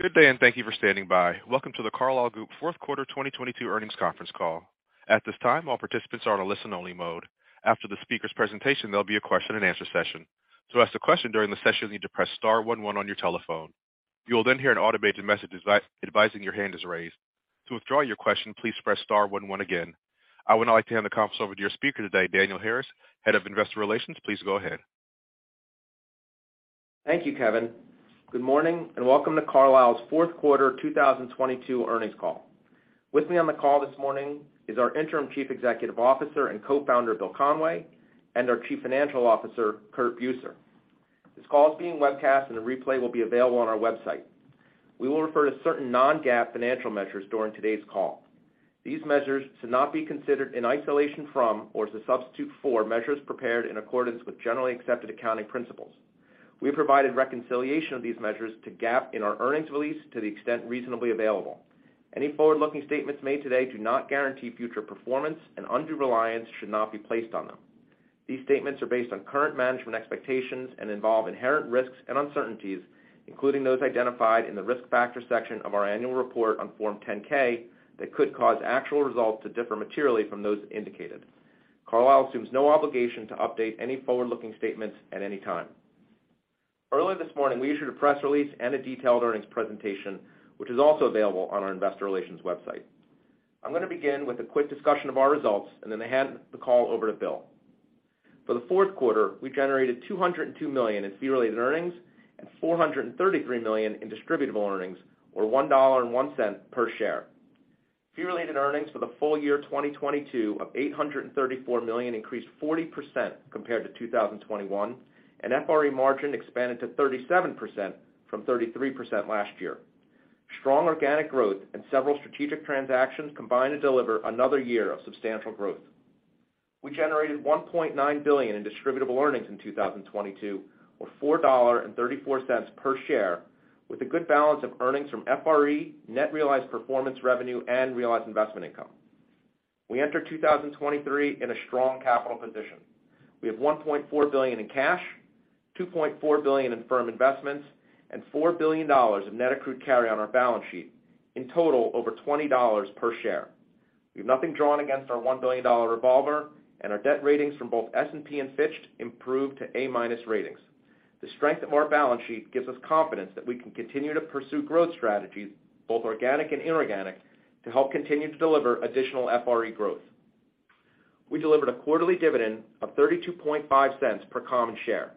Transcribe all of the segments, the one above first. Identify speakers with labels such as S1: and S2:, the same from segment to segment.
S1: Good day. Thank you for standing by. Welcome to The Carlyle Group fourth quarter 2022 earnings conference call. At this time, all participants are on a listen only mode. After the speaker's presentation, there'll be a question and answer session. To ask a question during the session, you need to press star one one on your telephone. You will then hear an automated message advising your hand is raised. To withdraw your question, please press star one one again. I would now like to hand the conference over to your speaker today, Daniel Harris, Head of Investor Relations. Please go ahead.
S2: Thank you, Kevin. Good morning. Welcome to Carlyle's fourth quarter 2022 earnings call. With me on the call this morning is our Interim Chief Executive Officer and Co-Founder, Bill Conway, and our Chief Financial Officer, Curt Buser. This call is being webcast and the replay will be available on our website. We will refer to certain non-GAAP financial measures during today's call. These measures should not be considered in isolation from or as a substitute for measures prepared in accordance with generally accepted accounting principles. We have provided reconciliation of these measures to GAAP in our earnings release to the extent reasonably available. Any forward-looking statements made today do not guarantee future performance and undue reliance should not be placed on them. These statements are based on current management expectations and involve inherent risks and uncertainties, including those identified in the risk factor section of our annual report on Form 10-K, that could cause actual results to differ materially from those indicated. Carlyle assumes no obligation to update any forward-looking statements at any time. Early this morning, we issued a press release and a detailed earnings presentation, which is also available on our investor relations website. I'm gonna begin with a quick discussion of our results and then hand the call over to Bill. For the fourth quarter, we generated $202 million in fee-related earnings and $433 million in distributable earnings, or $1.01 per share. Fee-related earnings for the full year 2022 of $834 million increased 40% compared to 2021, and FRE margin expanded to 37% from 33% last year. Strong organic growth and several strategic transactions combined to deliver another year of substantial growth. We generated $1.9 billion in distributable earnings in 2022 or $4.34 per share, with a good balance of earnings from FRE, net realized performance revenue, and realized investment income. We enter 2023 in a strong capital position. We have $1.4 billion in cash, $2.4 billion in firm investments, and $4 billion of net accrued carry on our balance sheet, in total over $20 per share. We have nothing drawn against our $1 billion revolver. Our debt ratings from both S&P and Fitch improved to A- ratings. The strength of our balance sheet gives us confidence that we can continue to pursue growth strategies, both organic and inorganic, to help continue to deliver additional FRE growth. We delivered a quarterly dividend of $0.325 per common share.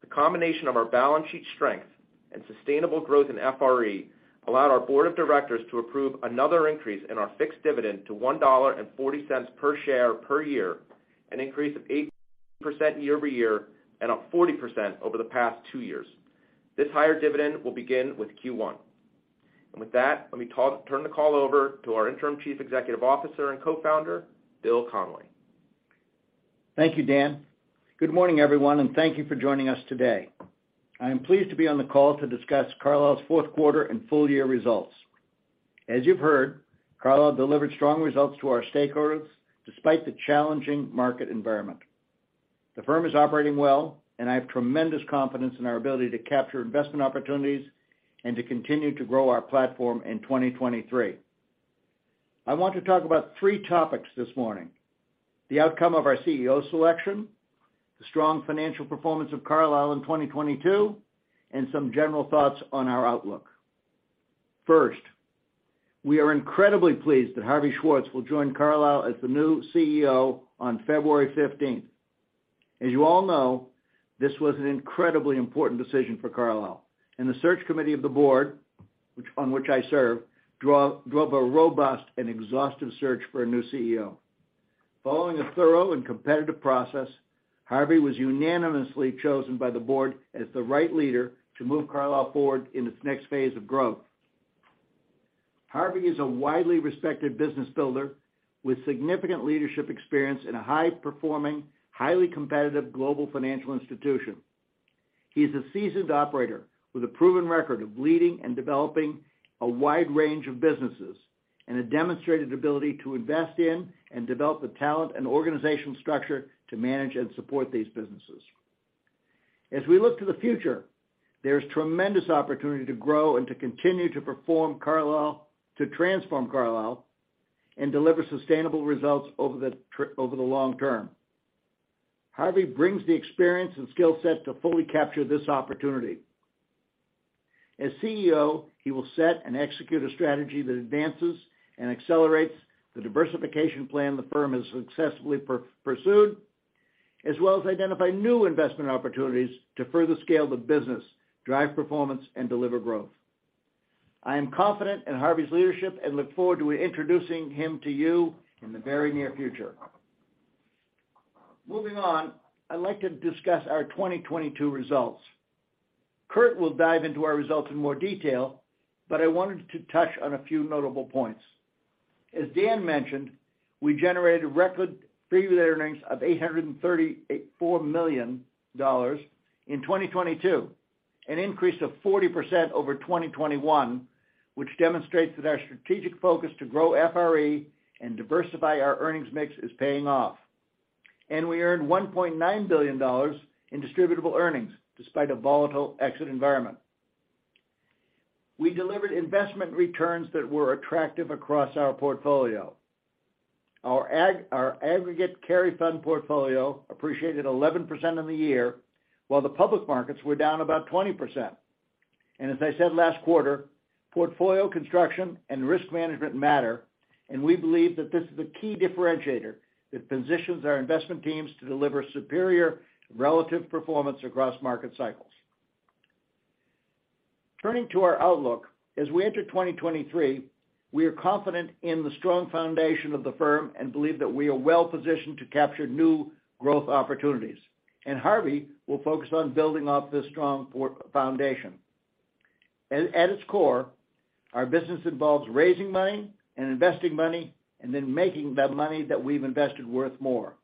S2: The combination of our balance sheet strength and sustainable growth in FRE allowed our board of directors to approve another increase in our fixed dividend to $1.40 per share per year, an increase of 8% year-over-year and up 40% over the past two years. This higher dividend will begin with Q1. With that, let me turn the call over to our Interim Chief Executive Officer and Co-Founder, Bill Conway.
S3: Thank you, Dan. Good morning, everyone, and thank you for joining us today. I am pleased to be on the call to discuss Carlyle's fourth quarter and full year results. As you've heard, Carlyle delivered strong results to our stakeholders despite the challenging market environment. The firm is operating well, and I have tremendous confidence in our ability to capture investment opportunities and to continue to grow our platform in 2023. I want to talk about three topics this morning: the outcome of our CEO selection, the strong financial performance of Carlyle in 2022, and some general thoughts on our outlook. First, we are incredibly pleased that Harvey Schwartz will join Carlyle as the new CEO on February 15th. As you all know, this was an incredibly important decision for Carlyle, and the search committee of the board, on which I serve, drove a robust and exhaustive search for a new CEO. Following a thorough and competitive process, Harvey was unanimously chosen by the board as the right leader to move Carlyle forward in its next phase of growth. Harvey is a widely respected business builder with significant leadership experience in a high performing, highly competitive global financial institution. He's a seasoned operator with a proven record of leading and developing a wide range of businesses and a demonstrated ability to invest in and develop the talent and organizational structure to manage and support these businesses. As we look to the future, there's tremendous opportunity to grow and to continue to transform Carlyle and deliver sustainable results over the long term. Harvey brings the experience and skill set to fully capture this opportunity. As CEO, he will set and execute a strategy that advances and accelerates the diversification plan the firm has successfully pursued, as well as identify new investment opportunities to further scale the business, drive performance, and deliver growth. I am confident in Harvey's leadership and look forward to introducing him to you in the very near future. Moving on, I'd like to discuss our 2022 results. Curt will dive into our results in more detail, but I wanted to touch on a few notable points. As Dan mentioned, we generated record fee-related earnings of $838.4 million in 2022, an increase of 40% over 2021, which demonstrates that our strategic focus to grow FRE and diversify our earnings mix is paying off. We earned $1.9 billion in distributable earnings despite a volatile exit environment. We delivered investment returns that were attractive across our portfolio. Our aggregate carry fund portfolio appreciated 11% in the year, while the public markets were down about 20%. As I said last quarter, portfolio construction and risk management matter, and we believe that this is a key differentiator that positions our investment teams to deliver superior relative performance across market cycles. Turning to our outlook, as we enter 2023, we are confident in the strong foundation of the firm and believe that we are well-positioned to capture new growth opportunities. Harvey will focus on building off this strong foundation. At its core, our business involves raising money and investing money, and then making the money that we've invested worth more.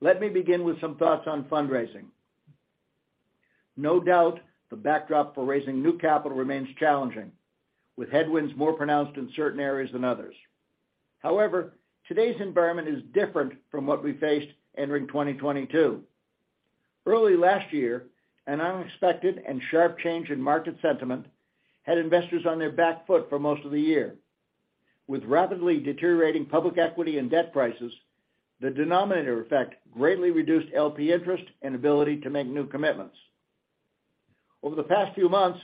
S3: Let me begin with some thoughts on fundraising. No doubt the backdrop for raising new capital remains challenging, with headwinds more pronounced in certain areas than others. However, today's environment is different from what we faced entering 2022. Early last year, an unexpected and sharp change in market sentiment had investors on their back foot for most of the year. With rapidly deteriorating public equity and debt prices, the denominator effect greatly reduced LP interest and ability to make new commitments. Over the past few months,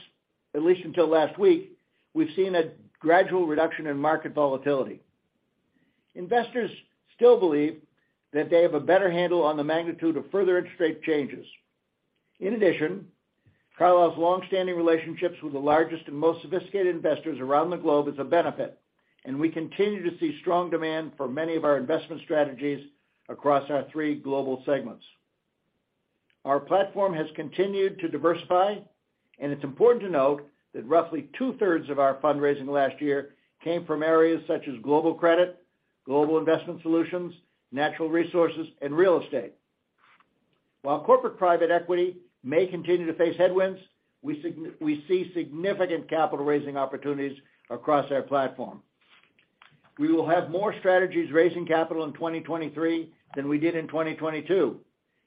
S3: at least until last week, we've seen a gradual reduction in market volatility. Investors still believe that they have a better handle on the magnitude of further interest rate changes. In addition, Carlyle's long-standing relationships with the largest and most sophisticated investors around the globe is a benefit. We continue to see strong demand for many of our investment strategies across our three global segments. Our platform has continued to diversify. It's important to note that roughly two-thirds of our fundraising last year came from areas such as global credit, global investment solutions, natural resources, and real estate. While corporate private equity may continue to face headwinds, we see significant capital raising opportunities across our platform. We will have more strategies raising capital in 2023 than we did in 2022,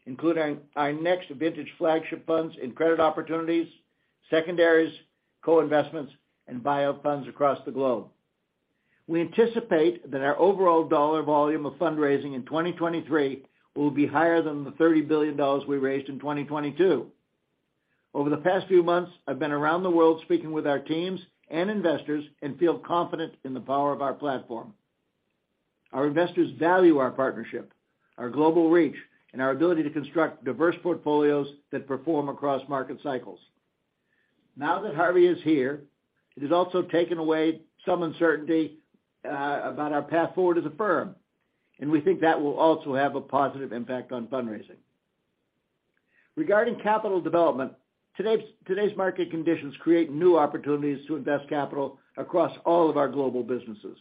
S3: including our next vintage flagship funds in credit opportunities, secondaries, co-investments, and buyout funds across the globe. We anticipate that our overall dollar volume of fundraising in 2023 will be higher than the $30 billion we raised in 2022. Over the past few months, I've been around the world speaking with our teams and investors and feel confident in the power of our platform. Our investors value our partnership, our global reach, and our ability to construct diverse portfolios that perform across market cycles. Now that Harvey is here, it has also taken away some uncertainty about our path forward as a firm, and we think that will also have a positive impact on fundraising. Regarding capital development, today's market conditions create new opportunities to invest capital across all of our global businesses.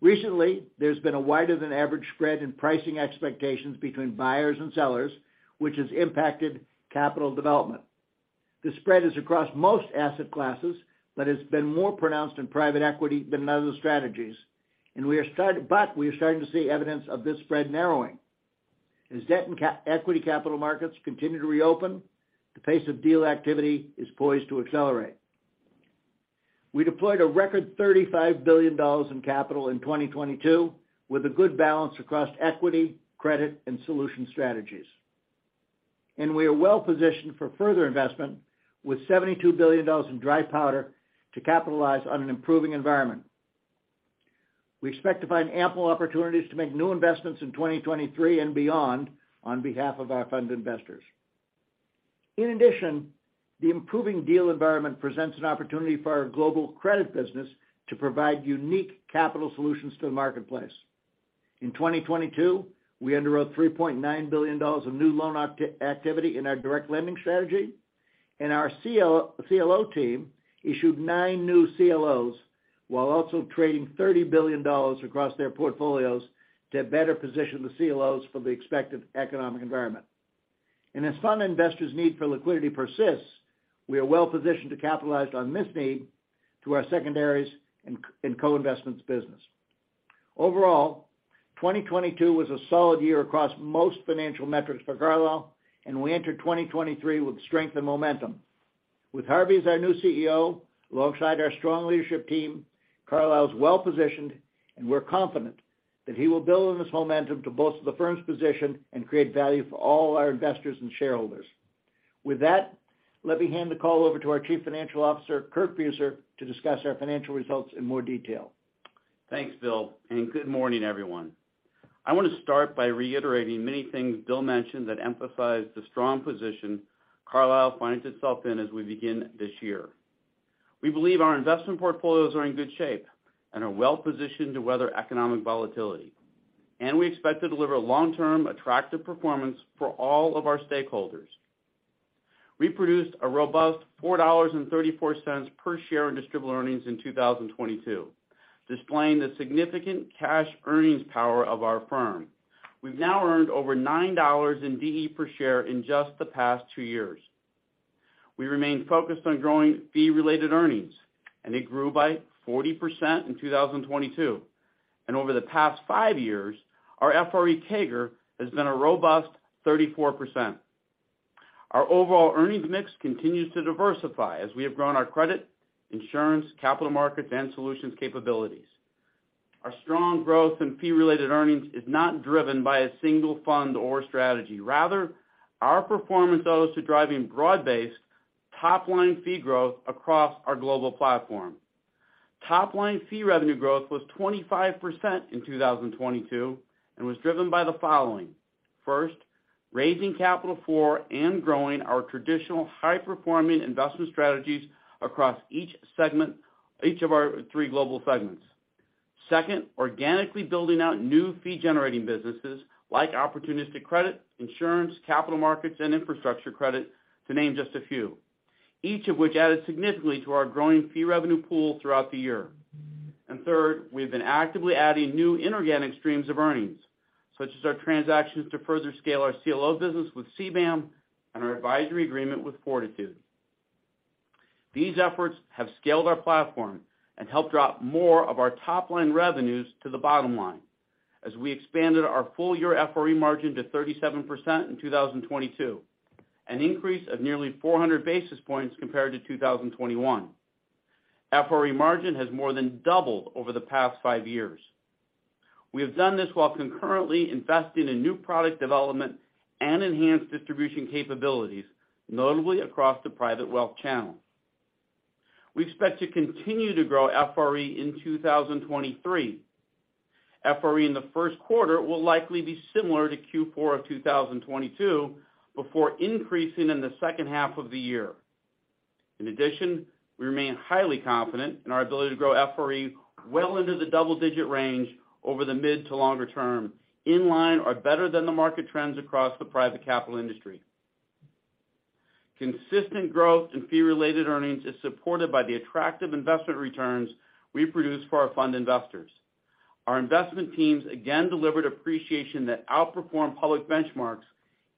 S3: Recently, there's been a wider than average spread in pricing expectations between buyers and sellers, which has impacted capital development. The spread is across most asset classes, but has been more pronounced in private equity than in other strategies. We are starting to see evidence of this spread narrowing. As debt and equity capital markets continue to reopen, the pace of deal activity is poised to accelerate. We deployed a record $35 billion in capital in 2022 with a good balance across equity, credit, and solution strategies. We are well positioned for further investment with $72 billion in dry powder to capitalize on an improving environment. We expect to find ample opportunities to make new investments in 2023 and beyond on behalf of our fund investors. In addition, the improving deal environment presents an opportunity for our global credit business to provide unique capital solutions to the marketplace. In 2022, we underwrote $3.9 billion of new loan activity in our direct lending strategy, our CLO team issued nine new CLOs while also trading $30 billion across their portfolios to better position the CLOs for the expected economic environment. As fund investors' need for liquidity persists, we are well-positioned to capitalize on this need through our secondaries and co-investments business. Overall, 2022 was a solid year across most financial metrics for Carlyle, and we enter 2023 with strength and momentum. With Harvey as our new CEO, alongside our strong leadership team, Carlyle is well-positioned, and we're confident that he will build on this momentum to bolster the firm's position and create value for all our investors and shareholders. With that, let me hand the call over to our Chief Financial Officer, Curt Buser, to discuss our financial results in more detail.
S4: Thanks, Bill. Good morning, everyone. I wanna start by reiterating many things Bill mentioned that emphasize the strong position Carlyle finds itself in as we begin this year. We believe our investment portfolios are in good shape and are well-positioned to weather economic volatility. We expect to deliver long-term attractive performance for all of our stakeholders. We produced a robust $4.34 per share in distributable earnings in 2022, displaying the significant cash earnings power of our firm. We've now earned over $9 in DE per share in just the past two years. We remained focused on growing fee-related earnings. It grew by 40% in 2022. Over the past five years, our FRE CAGR has been a robust 34%. Our overall earnings mix continues to diversify as we have grown our credit, insurance, capital markets, and solutions capabilities. Our strong growth in fee-related earnings is not driven by a single fund or strategy. Rather, our performance owes to driving broad-based top-line fee growth across our global platform. Top-line fee revenue growth was 25% in 2022, and was driven by the following. First, raising capital for and growing our traditional high-performing investment strategies across each of our three global segments. Second, organically building out new fee-generating businesses like opportunistic credit, insurance, capital markets, and infrastructure credit, to name just a few, each of which added significantly to our growing fee revenue pool throughout the year. Third, we've been actively adding new inorganic streams of earnings, such as our transactions to further scale our CLO business with CBAM and our advisory agreement with Fortitude. These efforts have scaled our platform and helped drop more of our top line revenues to the bottom line as we expanded our full year FRE margin to 37% in 2022, an increase of nearly 400 basis points compared to 2021. FRE margin has more than doubled over the past five years. We have done this while concurrently investing in new product development and enhanced distribution capabilities, notably across the private wealth channel. We expect to continue to grow FRE in 2023. FRE in the first quarter will likely be similar to Q4 of 2022, before increasing in the second half of the year. In addition, we remain highly confident in our ability to grow FRE well into the double-digit range over the mid to longer term, in line or better than the market trends across the private capital industry. Consistent growth in fee-related earnings is supported by the attractive investment returns we produce for our fund investors. Our investment teams again delivered appreciation that outperformed public benchmarks,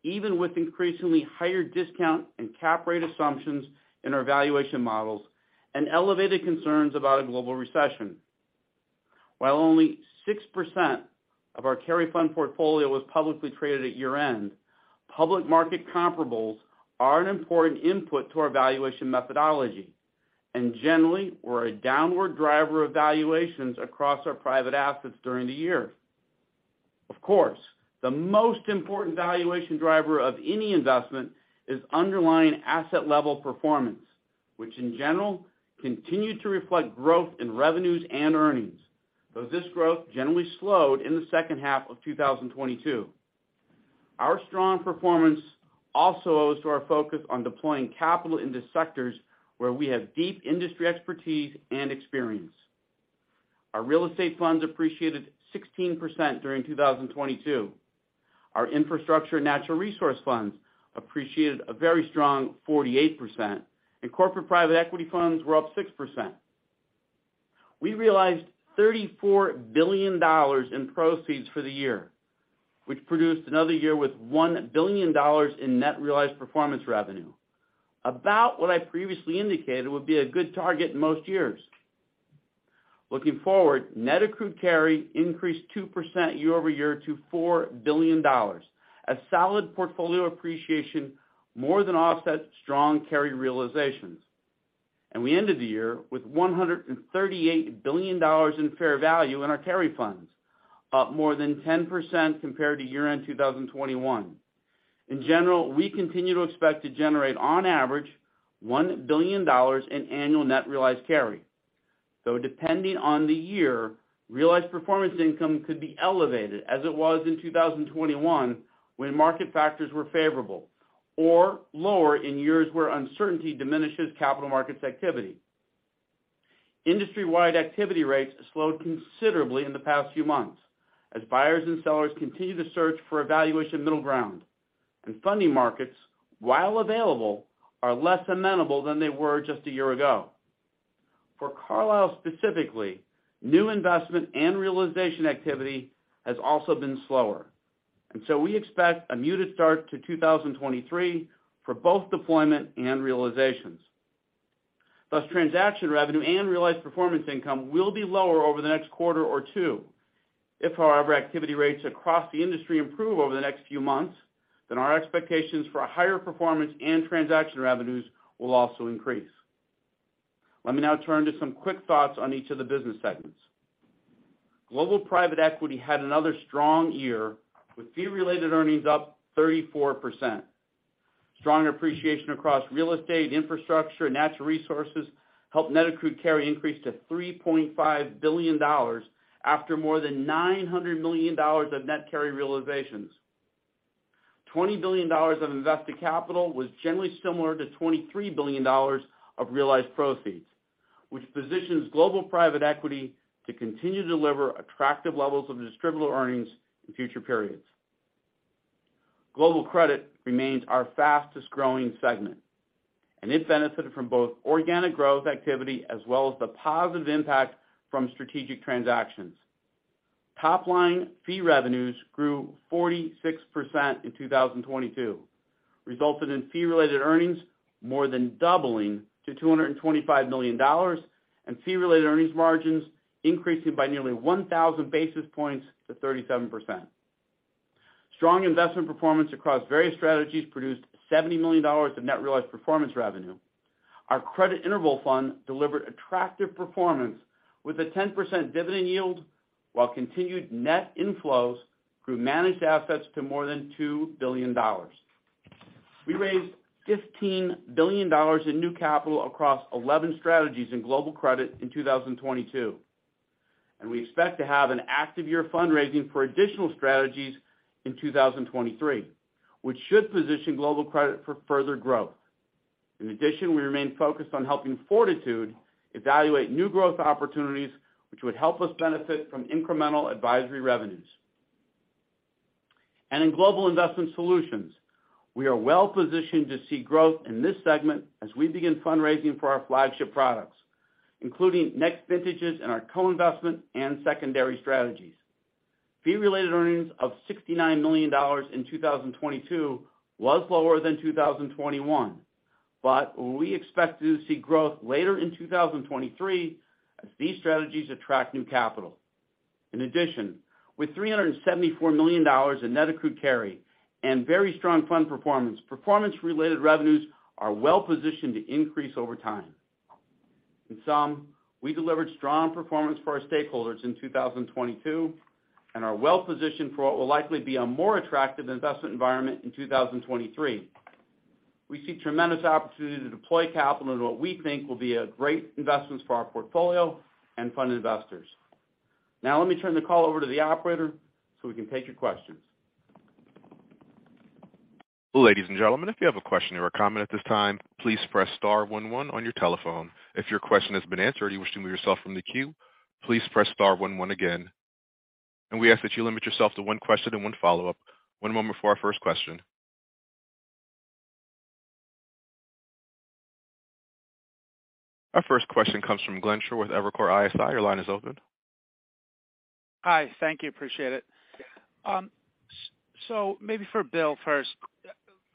S4: even with increasingly higher discount and cap rate assumptions in our valuation models and elevated concerns about a global recession. While only 6% of our carry fund portfolio was publicly traded at year-end, public market comparables are an important input to our valuation methodology and generally were a downward driver of valuations across our private assets during the year. Of course, the most important valuation driver of any investment is underlying asset level performance, which in general continued to reflect growth in revenues and earnings, though this growth generally slowed in the second half of 2022. Our strong performance also owes to our focus on deploying capital into sectors where we have deep industry expertise and experience. Our real estate funds appreciated 16% during 2022. Our infrastructure and natural resource funds appreciated a very strong 48%, and corporate private equity funds were up 6%. We realized $34 billion in proceeds for the year, which produced another year with $1 billion in net realized performance revenue. About what I previously indicated would be a good target in most years. Looking forward, net accrued carry increased 2% year-over-year to $4 billion. A solid portfolio appreciation more than offset strong carry realizations. We ended the year with $138 billion in fair value in our carry funds, up more than 10% compared to year-end 2021. In general, we continue to expect to generate, on average, $1 billion in annual net realized carry. Depending on the year, realized performance income could be elevated, as it was in 2021, when market factors were favorable, or lower in years where uncertainty diminishes capital markets activity. Industry-wide activity rates slowed considerably in the past few months as buyers and sellers continue to search for a valuation middle ground, and funding markets, while available, are less amenable than they were just a year ago. For Carlyle specifically, new investment and realization activity has also been slower. We expect a muted start to 2023 for both deployment and realizations. Thus, transaction revenue and realized performance income will be lower over the next quarter or two. If, however, activity rates across the industry improve over the next few months, our expectations for a higher performance and transaction revenues will also increase. Let me now turn to some quick thoughts on each of the business segments. Global private equity had another strong year, with fee-related earnings up 34%. Strong appreciation across real estate, infrastructure, and natural resources helped net accrued carry increase to $3.5 billion after more than $900 million of net carry realizations. $20 billion of invested capital was generally similar to $23 billion of realized proceeds, which positions global private equity to continue to deliver attractive levels of distributable earnings in future periods. It benefited from both organic growth activity as well as the positive impact from strategic transactions. Top line fee revenues grew 46% in 2022, resulted in fee-related earnings more than doubling to $225 million and fee-related earnings margins increasing by nearly 1,000 basis points to 37%. Strong investment performance across various strategies produced $70 million of net realized performance revenue. Our credit interval fund delivered attractive performance with a 10% dividend yield, while continued net inflows grew managed assets to more than $2 billion. We raised $15 billion in new capital across 11 strategies in global credit in 2022, and we expect to have an active year fundraising for additional strategies in 2023, which should position global credit for further growth. In addition, we remain focused on helping Fortitude evaluate new growth opportunities, which would help us benefit from incremental advisory revenues. In global investment solutions, we are well positioned to see growth in this segment as we begin fundraising for our flagship products, including next vintages in our co-investment and secondary strategies. Fee-related earnings of $69 million in 2022 was lower than 2021, we expect to see growth later in 2023 as these strategies attract new capital. In addition, with $374 million in net accrued carry and very strong fund performance-related revenues are well positioned to increase over time. In sum, we delivered strong performance for our stakeholders in 2022 and are well positioned for what will likely be a more attractive investment environment in 2023. We see tremendous opportunity to deploy capital into what we think will be a great investment for our portfolio and fund investors. Let me turn the call over to the operator so we can take your questions.
S1: Ladies and gentlemen, if you have a question or a comment at this time, please press star one one on your telephone. If your question has been answered and you wish to remove yourself from the queue please press star one one again. We ask that you limit yourself to one question and one follow-up. One moment for our first question. Our first question comes from Glenn Schorr with Evercore ISI. Your line is open.
S5: Hi. Thank you. Appreciate it. Maybe for Bill first.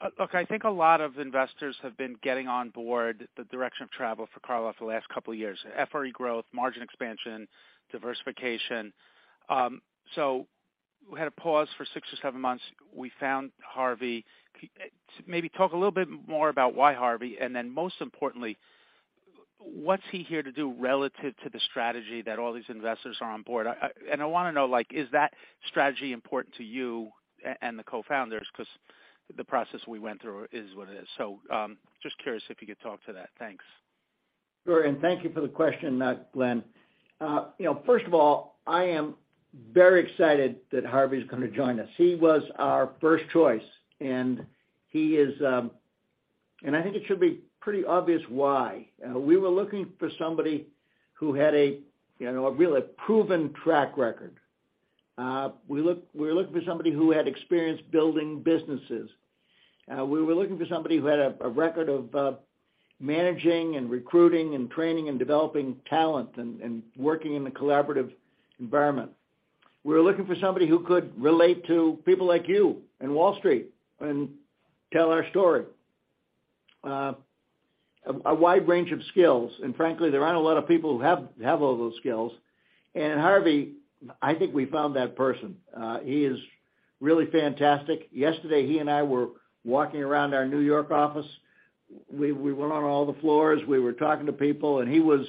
S5: I think a lot of investors have been getting on board the direction of travel for Carlyle for the last couple of years, FRE growth, margin expansion, diversification. We had a pause for six or seven months. We found Harvey. Maybe talk a little bit more about why Harvey, most importantly, what's he here to do relative to the strategy that all these investors are on board? I wanna know, like, is that strategy important to you and the cofounders? The process we went through is what it is. Just curious if you could talk to that. Thanks.
S3: Sure. Thank you for the question, Glenn. You know, first of all, I am very excited that Harvey is going to join us. He was our first choice, and he is. I think it should be pretty obvious why. We were looking for somebody who had a, you know, a really proven track record. We were looking for somebody who had experience building businesses. We were looking for somebody who had a record of, managing and recruiting and training and developing talent and working in a collaborative environment. We were looking for somebody who could relate to people like you and Wall Street and tell our story. A wide range of skills, and frankly, there aren't a lot of people who have all those skills. Harvey, I think we found that person. He is really fantastic. Yesterday, he and I were walking around our New York office. We went on all the floors. We were talking to people, he was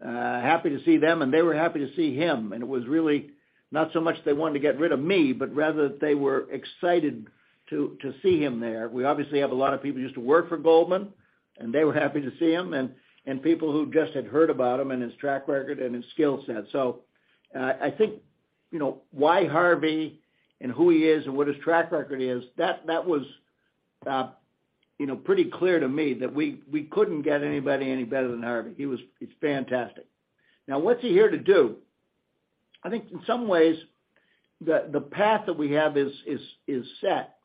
S3: happy to see them, and they were happy to see him. It was really not so much they wanted to get rid of me, but rather they were excited to see him there. We obviously have a lot of people who used to work for Goldman, and they were happy to see him, and people who just had heard about him and his track record and his skill set. I think, you know, why Harvey and who he is and what his track record is, that was, you know, pretty clear to me that we couldn't get anybody any better than Harvey. He's fantastic. Now, what's he here to do? I think in some ways, the path that we have is, is set.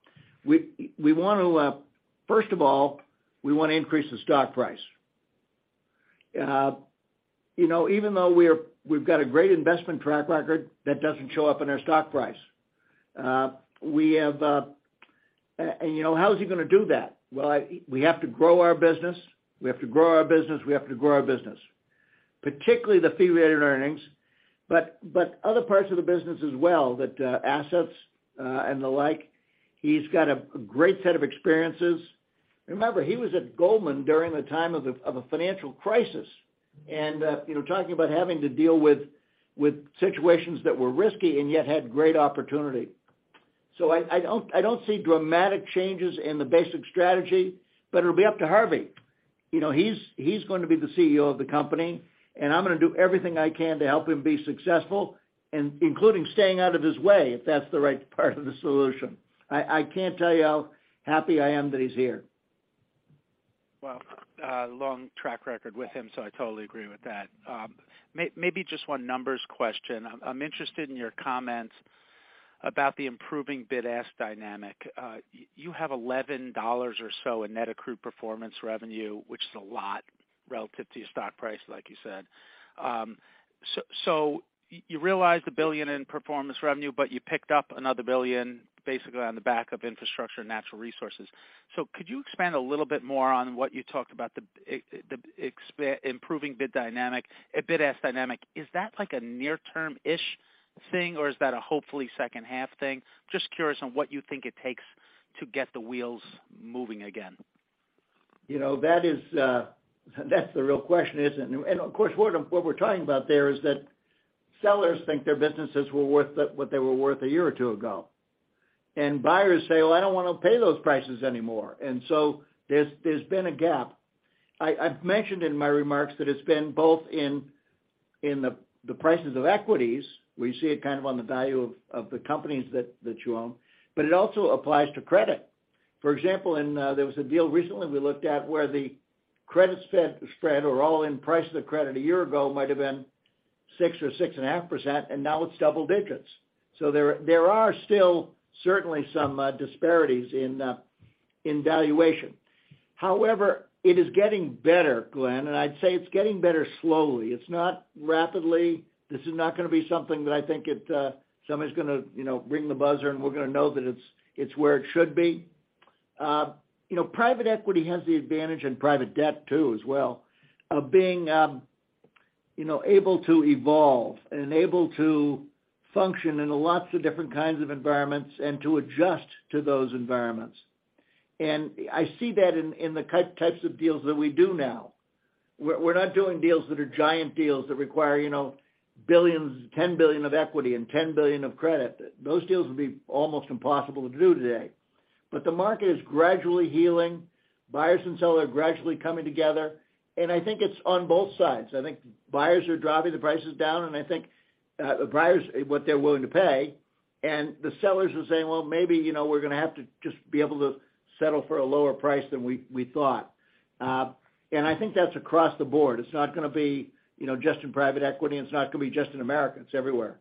S3: We want to First of all, we want to increase the stock price. You know, even though we've got a great investment track record, that doesn't show up in our stock price. You know, how is he gonna do that? Well, we have to grow our business, particularly the fee-related earnings, but other parts of the business as well, that assets and the like. He's got a great set of experiences. Remember, he was at Goldman during the time of a financial crisis, you know, talking about having to deal with situations that were risky and yet had great opportunity. I don't see dramatic changes in the basic strategy, but it'll be up to Harvey. You know, he's going to be the CEO of the company, and I'm gonna do everything I can to help him be successful, including staying out of his way, if that's the right part of the solution. I can't tell you how happy I am that he's here.
S5: Well, long track record with him, so I totally agree with that. Maybe just one numbers question. I'm interested in your comments about the improving bid-ask dynamic, you have $11 or so in net accrued performance revenue, which is a lot relative to your stock price, like you said. You realized $1 billion in performance revenue, but you picked up another $1 billion basically on the back of infrastructure and natural resources. Could you expand a little bit more on what you talked about the improving bid-ask dynamic, a bid-ask dynamic? Is that like a near-term-ish thing, or is that a hopefully second half thing? Just curious on what you think it takes to get the wheels moving again.
S3: You know, that is, that's the real question, isn't it? Of course, what we're talking about there is that sellers think their businesses were worth what they were worth a year or two ago. Buyers say, "Well, I don't wanna pay those prices anymore." So there's been a gap. I've mentioned in my remarks that it's been both in the prices of equities, where you see it kind of on the value of the companies that you own, but it also applies to credit. For example, in there was a deal recently we looked at where the credit spread or all-in price of the credit a year ago might have been six or 6.5%, and now it's double digits. There are still certainly some disparities in valuation. It is getting better, Glenn, and I'd say it's getting better slowly. It's not rapidly. This is not gonna be something that I think somebody's gonna, you know, ring the buzzer and we're gonna know that it's where it should be. You know, private equity has the advantage, and private debt too as well, of being, you know, able to evolve and able to function in lots of different kinds of environments and to adjust to those environments. I see that in the types of deals that we do now. We're not doing deals that are giant deals that require, you know, billions, $10 billion of equity and $10 billion of credit. Those deals would be almost impossible to do today. The market is gradually healing. Buyers and sellers are gradually coming together, and I think it's on both sides. I think buyers are driving the prices down, and I think, buyers, what they're willing to pay, and the sellers are saying, "Well, maybe, you know, we're gonna have to just be able to settle for a lower price than we thought." I think that's across the board. It's not gonna be, you know, just in private equity. It's not gonna be just in America. It's everywhere.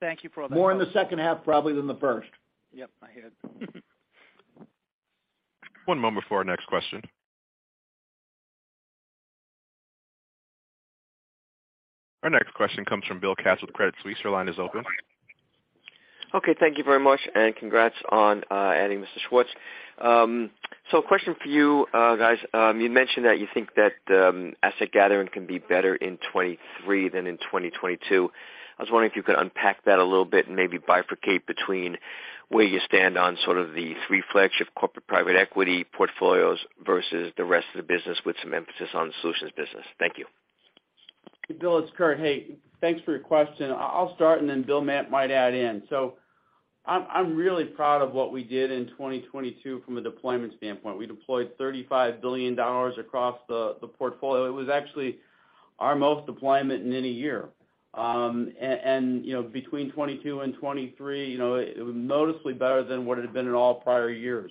S5: Thank you for all that.
S3: More in the second half probably than the first.
S5: Yep, I hear it.
S1: One moment before our next question. Our next question comes from Bill Katz with Credit Suisse. Your line is open.
S6: Okay, thank you very much, and congrats on adding Mr. Schwartz. A question for you guys. You mentioned that you think that asset gathering can be better in 2023 than in 2022. I was wondering if you could unpack that a little bit and maybe bifurcate between where you stand on sort of the three flagship corporate private equity portfolios versus the rest of the business with some emphasis on the solutions business. Thank you.
S4: Bill, it's Curt. Hey, thanks for your question. I'll start and then Bill, Matt might add in. I'm really proud of what we did in 2022 from a deployment standpoint. We deployed $35 billion across the portfolio. It was actually our most deployment in any year. You know, between 2022 and 2023, you know, it was noticeably better than what it had been in all prior years.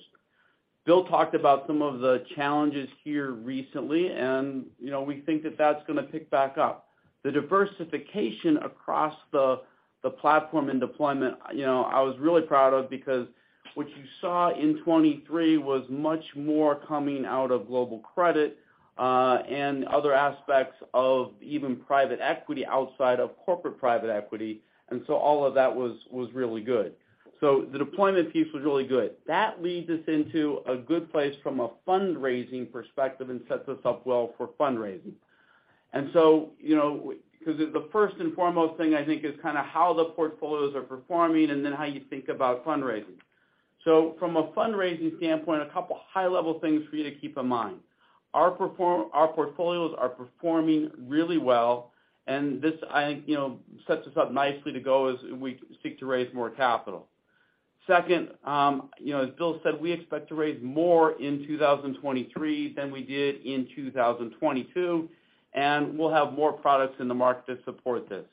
S4: Bill talked about some of the challenges here recently, and, you know, we think that that's gonna pick back up. The diversification across the platform and deployment, you know, I was really proud of because what you saw in 2023 was much more coming out of global credit and other aspects of even private equity outside of corporate private equity. All of that was really good. The deployment piece was really good. That leads us into a good place from a fundraising perspective and sets us up well for fundraising. you know, 'cause the first and foremost thing I think is kinda how the portfolios are performing and then how you think about fundraising. From a fundraising standpoint, a couple high-level things for you to keep in mind. Our portfolios are performing really well, and this I think, you know, sets us up nicely to go as we seek to raise more capital. Second, you know, as Bill said, we expect to raise more in 2023 than we did in 2022, and we'll have more products in the market to support this.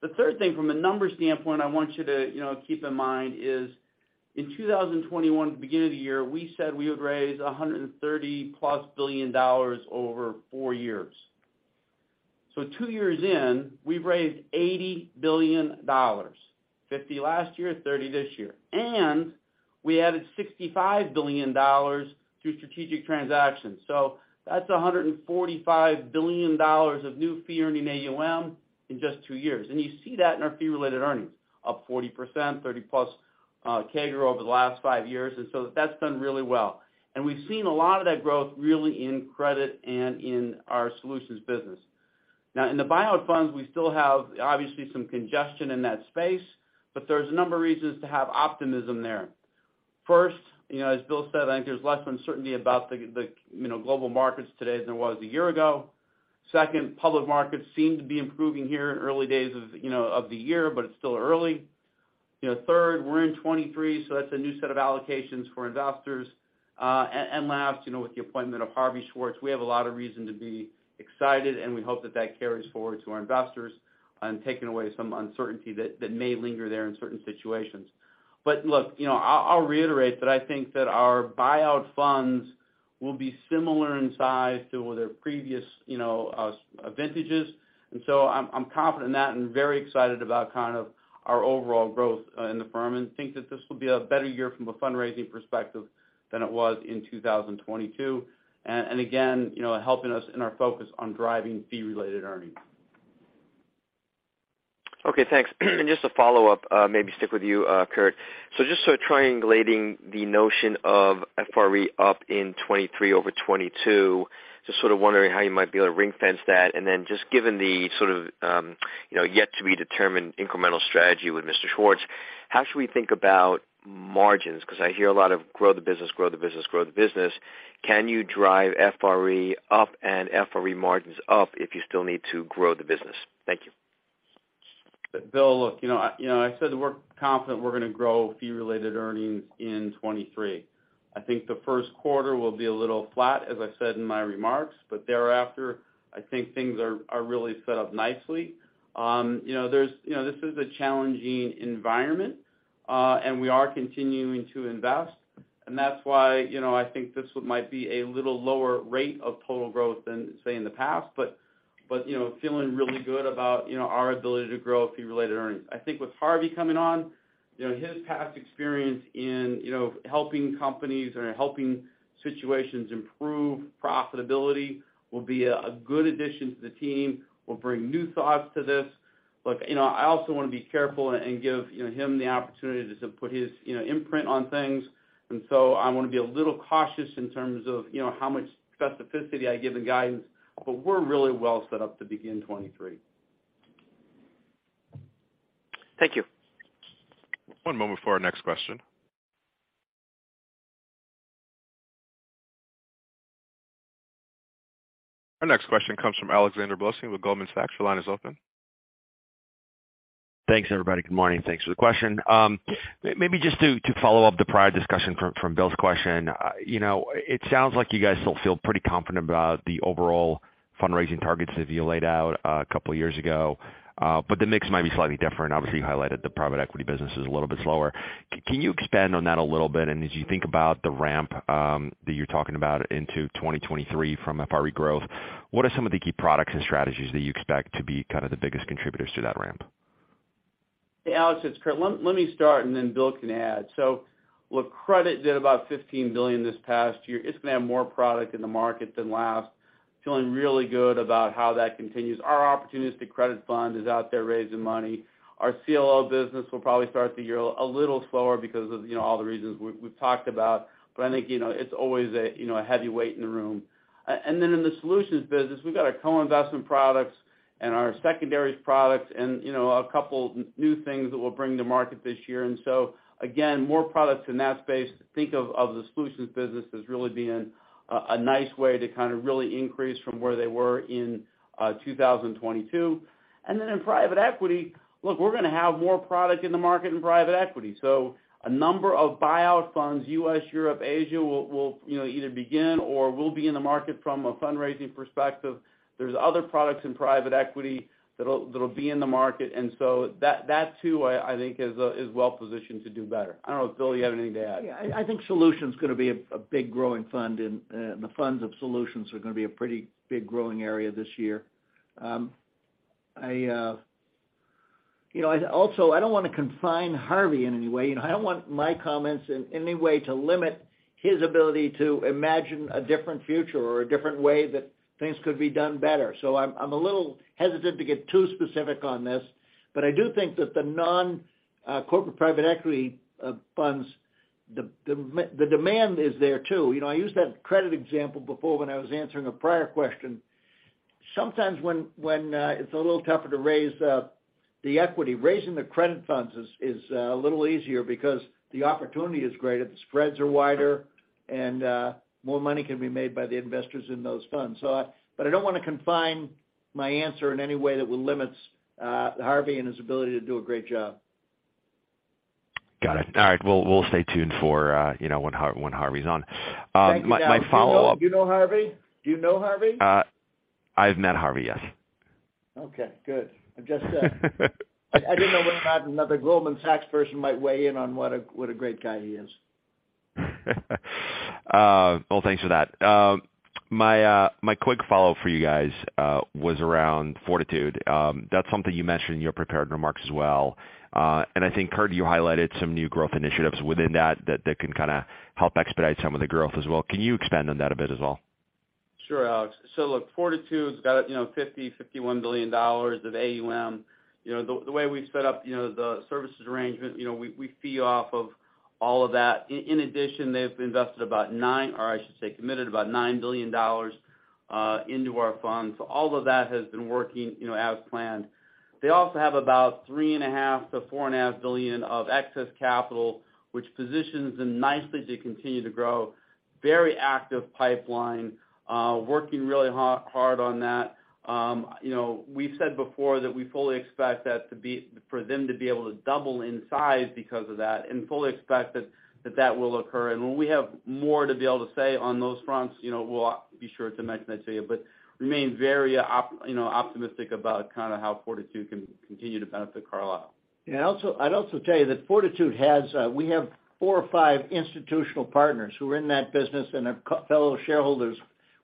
S4: The third thing from a numbers standpoint I want you to, you know, keep in mind is in 2021, at the beginning of the year, we said we would raise $130+ billion over four years. Two years in, we've raised $80 billion, $50 billion last year, $30 billion this year. We added $65 billion through strategic transactions. That's $145 billion of new fee-earning AUM in just two years. You see that in our fee-related earnings, up 40%, 30%+ CAGR over the last five years, and so that's done really well. We've seen a lot of that growth really in credit and in our solutions business. Now, in the buyout funds, we still have obviously some congestion in that space, but there's a number of reasons to have optimism there. First, you know, as Bill said, I think there's less uncertainty about the, you know, global markets today than there was a year ago. Second, public markets seem to be improving here in early days of, you know, of the year, but it's still early. You know, third, we're in 2023, so that's a new set of allocations for investors. And last, you know, with the appointment of Harvey Schwartz, we have a lot of reason to be excited, and we hope that that carries forward to our investors on taking away some uncertainty that may linger there in certain situations. Look, you know, I'll reiterate that I think that our buyout funds will be similar in size to their previous, you know, vintages. I'm confident in that and very excited about kind of our overall growth in the firm and think that this will be a better year from a fundraising perspective than it was in 2022. Again, you know, helping us in our focus on driving fee-related earnings.
S6: Okay, thanks. Just a follow-up, maybe stick with you, Curt. Just sort of triangulating the notion of FRE up in 2023 over 2022, just sort of wondering how you might be able to ring-fence that. Then just given the sort of, you know, yet to be determined incremental strategy with Mr. Schwartz, how should we think about margins? I hear a lot of grow the business, grow the business, grow the business. Can you drive FRE up and FRE margins up if you still need to grow the business? Thank you.
S4: Bill, look, you know, I said we're confident we're gonna grow fee-related earnings in 2023. I think the first quarter will be a little flat, as I said in my remarks, but thereafter, I think things are really set up nicely. This is a challenging environment, and we are continuing to invest. That's why, you know, I think this one might be a little lower rate of total growth than, say, in the past. You know, feeling really good about our ability to grow fee-related earnings. I think with Harvey coming on, you know, his past experience in, you know, helping companies or helping situations improve profitability will be a good addition to the team, will bring new thoughts to this. Look, you know, I also wanna be careful and give, you know, him the opportunity to put his, you know, imprint on things. I'm gonna be a little cautious in terms of, you know, how much specificity I give in guidance, but we're really well set up to begin 2023.
S6: Thank you.
S1: One moment for our next question. Our next question comes from Alexander Blostein with Goldman Sachs. Your line is open.
S7: Thanks, everybody. Good morning. Thanks for the question. Maybe just to follow up the prior discussion from Bill's question. You know, it sounds like you guys still feel pretty confident about the overall fundraising targets that you laid out a couple years ago, but the mix might be slightly different. Obviously, you highlighted the private equity business is a little bit slower. Can you expand on that a little bit? As you think about the ramp that you're talking about into 2023 from FRE growth, what are some of the key products and strategies that you expect to be kind of the biggest contributors to that ramp?
S4: Hey, Alexander Blostein, it's Curt. Let me start and then Bill can add. Look, credit did about $15 billion this past year. It's gonna have more product in the market than last. Feeling really good about how that continues. Our opportunistic credit fund is out there raising money. Our CLO business will probably start the year a little slower because of, you know, all the reasons we've talked about, but I think, you know, it's always a, you know, a heavy weight in the room. Then in the solutions business, we've got our co-investment products and our secondaries products and, you know, a couple new things that we'll bring to market this year. Again, more products in that space to think of the solutions business as really being a nice way to kind of really increase from where they were in 2022. In private equity, look, we're gonna have more product in the market in private equity. A number of buyout funds, U.S., Europe, Asia, will, you know, either begin or will be in the market from a fundraising perspective. There's other products in private equity that'll be in the market. That too, I think is well-positioned to do better. I don't know if, Bill, you have anything to add.
S3: Yeah. I think solutions is gonna be a big growing fund and the funds of solutions are gonna be a pretty big growing area this year. I, you know, I also I don't wanna confine Harvey in any way, and I don't want my comments in any way to limit his ability to imagine a different future or a different way that things could be done better. I'm a little hesitant to get too specific on this. I do think that the non corporate private equity funds, the demand is there too. You know, I used that credit example before when I was answering a prior question. Sometimes when it's a little tougher to raise the equity, raising the credit funds is a little easier because the opportunity is greater, the spreads are wider and more money can be made by the investors in those funds. I don't wanna confine my answer in any way that will limits Harvey and his ability to do a great job.
S7: Got it. All right. We'll stay tuned for, you know, when Harvey's on. my follow-up-
S3: Thank you, Alex. Do you know Harvey? Do you know Harvey?
S7: I've met Harvey, yes.
S3: Okay, good. I'm just, I didn't know whether or not another Goldman Sachs person might weigh in on what a great guy he is.
S7: Well, thanks for that. My quick follow-up for you guys was around Fortitude. That's something you mentioned in your prepared remarks as well. I think, Curt, you highlighted some new growth initiatives within that can kinda help expedite some of the growth as well. Can you expand on that a bit as well?
S4: Sure, Alex. Look, Fortitude's got, you know, $50, $51 billion of AUM. You know, the way we've set up, you know, the services arrangement, you know, we fee off of all of that. In, in addition, they've invested about $9 billion, or I should say, committed about $9 billion, into our fund. All of that has been working, you know, as planned. They also have about three and a half to four and a half billion of excess capital, which positions them nicely to continue to grow. Very active pipeline, working really hard on that. You know, we've said before that we fully expect for them to be able to double in size because of that, and fully expect that that will occur. When we have more to be able to say on those fronts, you know, we'll be sure to mention that to you. Remain very you know, optimistic about kinda how Fortitude can continue to benefit Carlyle.
S3: Also, I'd also tell you that Fortitude has, we have four or five institutional partners who are in that business and are fellow shareholders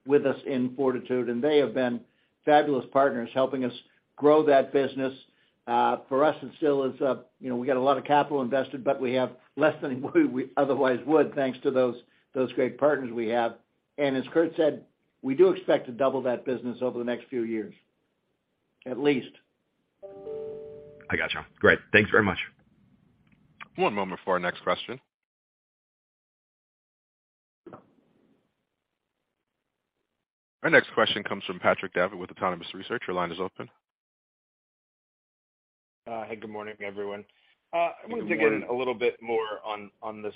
S3: with us in Fortitude, and they have been fabulous partners helping us grow that business. For us, it still is a, you know, we got a lot of capital invested, but we have less than we otherwise would thanks to those great partners we have. As Curt said, we do expect to double that business over the next few years, at least.
S7: I gotcha. Great. Thanks very much.
S1: One moment before our next question. Our next question comes from Patrick Davitt with Autonomous Research. Your line is open.
S8: Hey, good morning, everyone.
S3: Good morning.
S8: I want to dig in a little bit more on the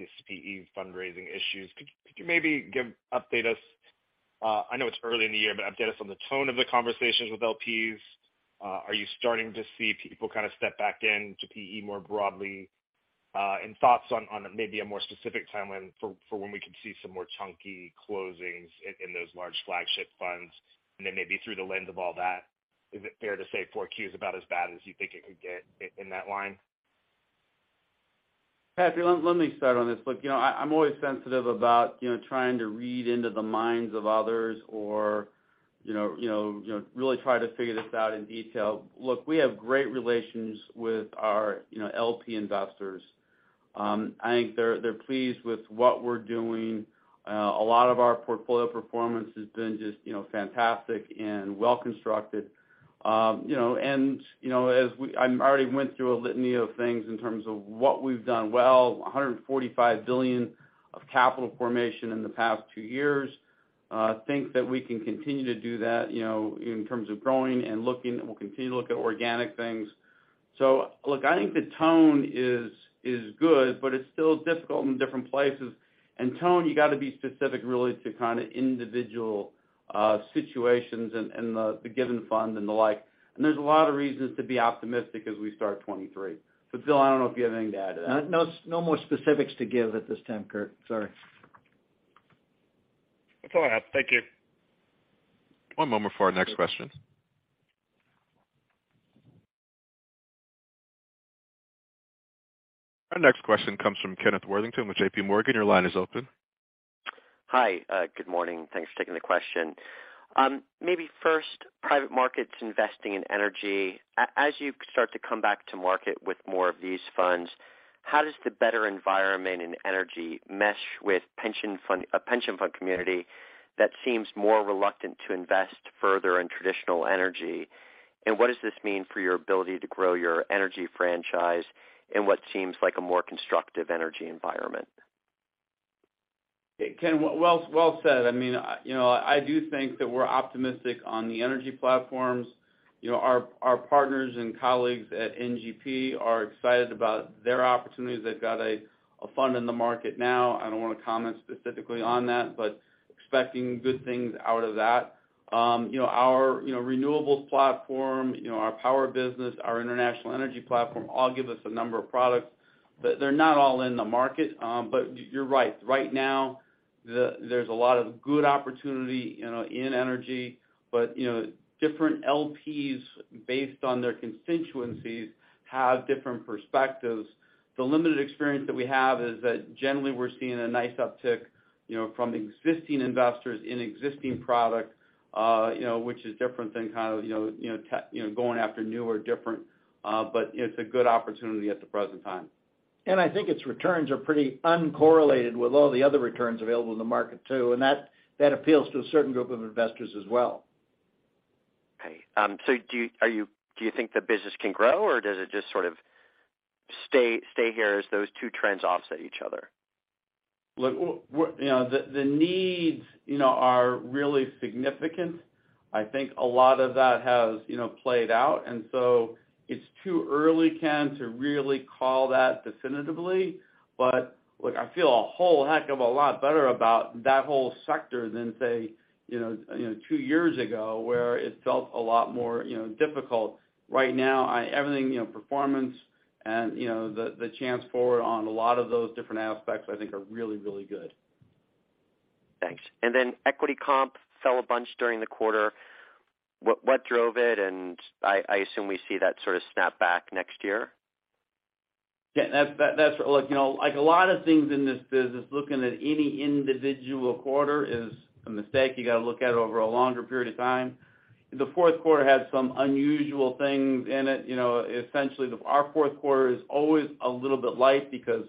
S8: CPE fundraising issues. Could you maybe update us, I know it's early in the year, but update us on the tone of the conversations with LPs? Are you starting to see people kind of step back in to PE more broadly? Thoughts on maybe a more specific timeline for when we could see some more chunky closings in those large flagship funds. Maybe through the lens of all that, is it fair to say 4Q is about as bad as you think it could get in that line?
S4: Patrick, let me start on this. Look, you know, I'm always sensitive about, you know, trying to read into the minds of others or, you know, really try to figure this out in detail. Look, we have great relations with our, you know, LP investors. I think they're pleased with what we're doing. A lot of our portfolio performance has been just, you know, fantastic and well constructed. You know, and, as I already went through a litany of things in terms of what we've done well. $145 billion of capital formation in the past two years. Think that we can continue to do that, you know, in terms of growing and looking, and we'll continue to look at organic things. Look, I think the tone is good, but it's still difficult in different places. Tone, you gotta be specific really to kind of individual situations and the given fund and the like. There's a lot of reasons to be optimistic as we start 2023. Bill, I don't know if you have anything to add to that.
S3: No more specifics to give at this time, Curt. Sorry.
S8: That's all I have. Thank you.
S1: One moment for our next question. Our next question comes from Kenneth Worthington with JPMorgan. Your line is open.
S9: Hi. Good morning. Thanks for taking the question. Maybe first, private markets investing in energy. As you start to come back to market with more of these funds, how does the better environment in energy mesh with a pension fund community that seems more reluctant to invest further in traditional energy? What does this mean for your ability to grow your energy franchise in what seems like a more constructive energy environment?
S4: Ken, well said. I mean, you know, I do think that we're optimistic on the energy platforms. You know, our partners and colleagues at NGP are excited about their opportunities. They've got a fund in the market now. I don't wanna comment specifically on that, expecting good things out of that. You know, our renewables platform, our power business, our international energy platform, all give us a number of products. They're not all in the market. You're right. Right now, there's a lot of good opportunity, you know, in energy, you know, different LPs based on their constituencies have different perspectives. The limited experience that we have is that generally we're seeing a nice uptick, you know, from existing investors in existing product, you know, which is different than kind of, you know, going after new or different, but it's a good opportunity at the present time.
S3: I think its returns are pretty uncorrelated with all the other returns available in the market too, that appeals to a certain group of investors as well.
S9: Okay. Do you think the business can grow or does it just sort of stay here as those two trends offset each other?
S4: Look, you know, the needs, you know, are really significant. I think a lot of that has, you know, played out, and so it's too early, Ken, to really call that definitively. Look, I feel a whole heck of a lot better about that whole sector than say, you know, two years ago, where it felt a lot more, you know, difficult. Right now, everything, you know, performance and, you know, the chance for on a lot of those different aspects I think are really, really good.
S9: Thanks. Equity comp fell a bunch during the quarter. What drove it? I assume we see that sort of snapback next year.
S4: Yeah, that's, you know, like a lot of things in this business, looking at any individual quarter is a mistake. You gotta look at it over a longer period of time. The fourth quarter had some unusual things in it. You know, essentially, our fourth quarter is always a little bit light because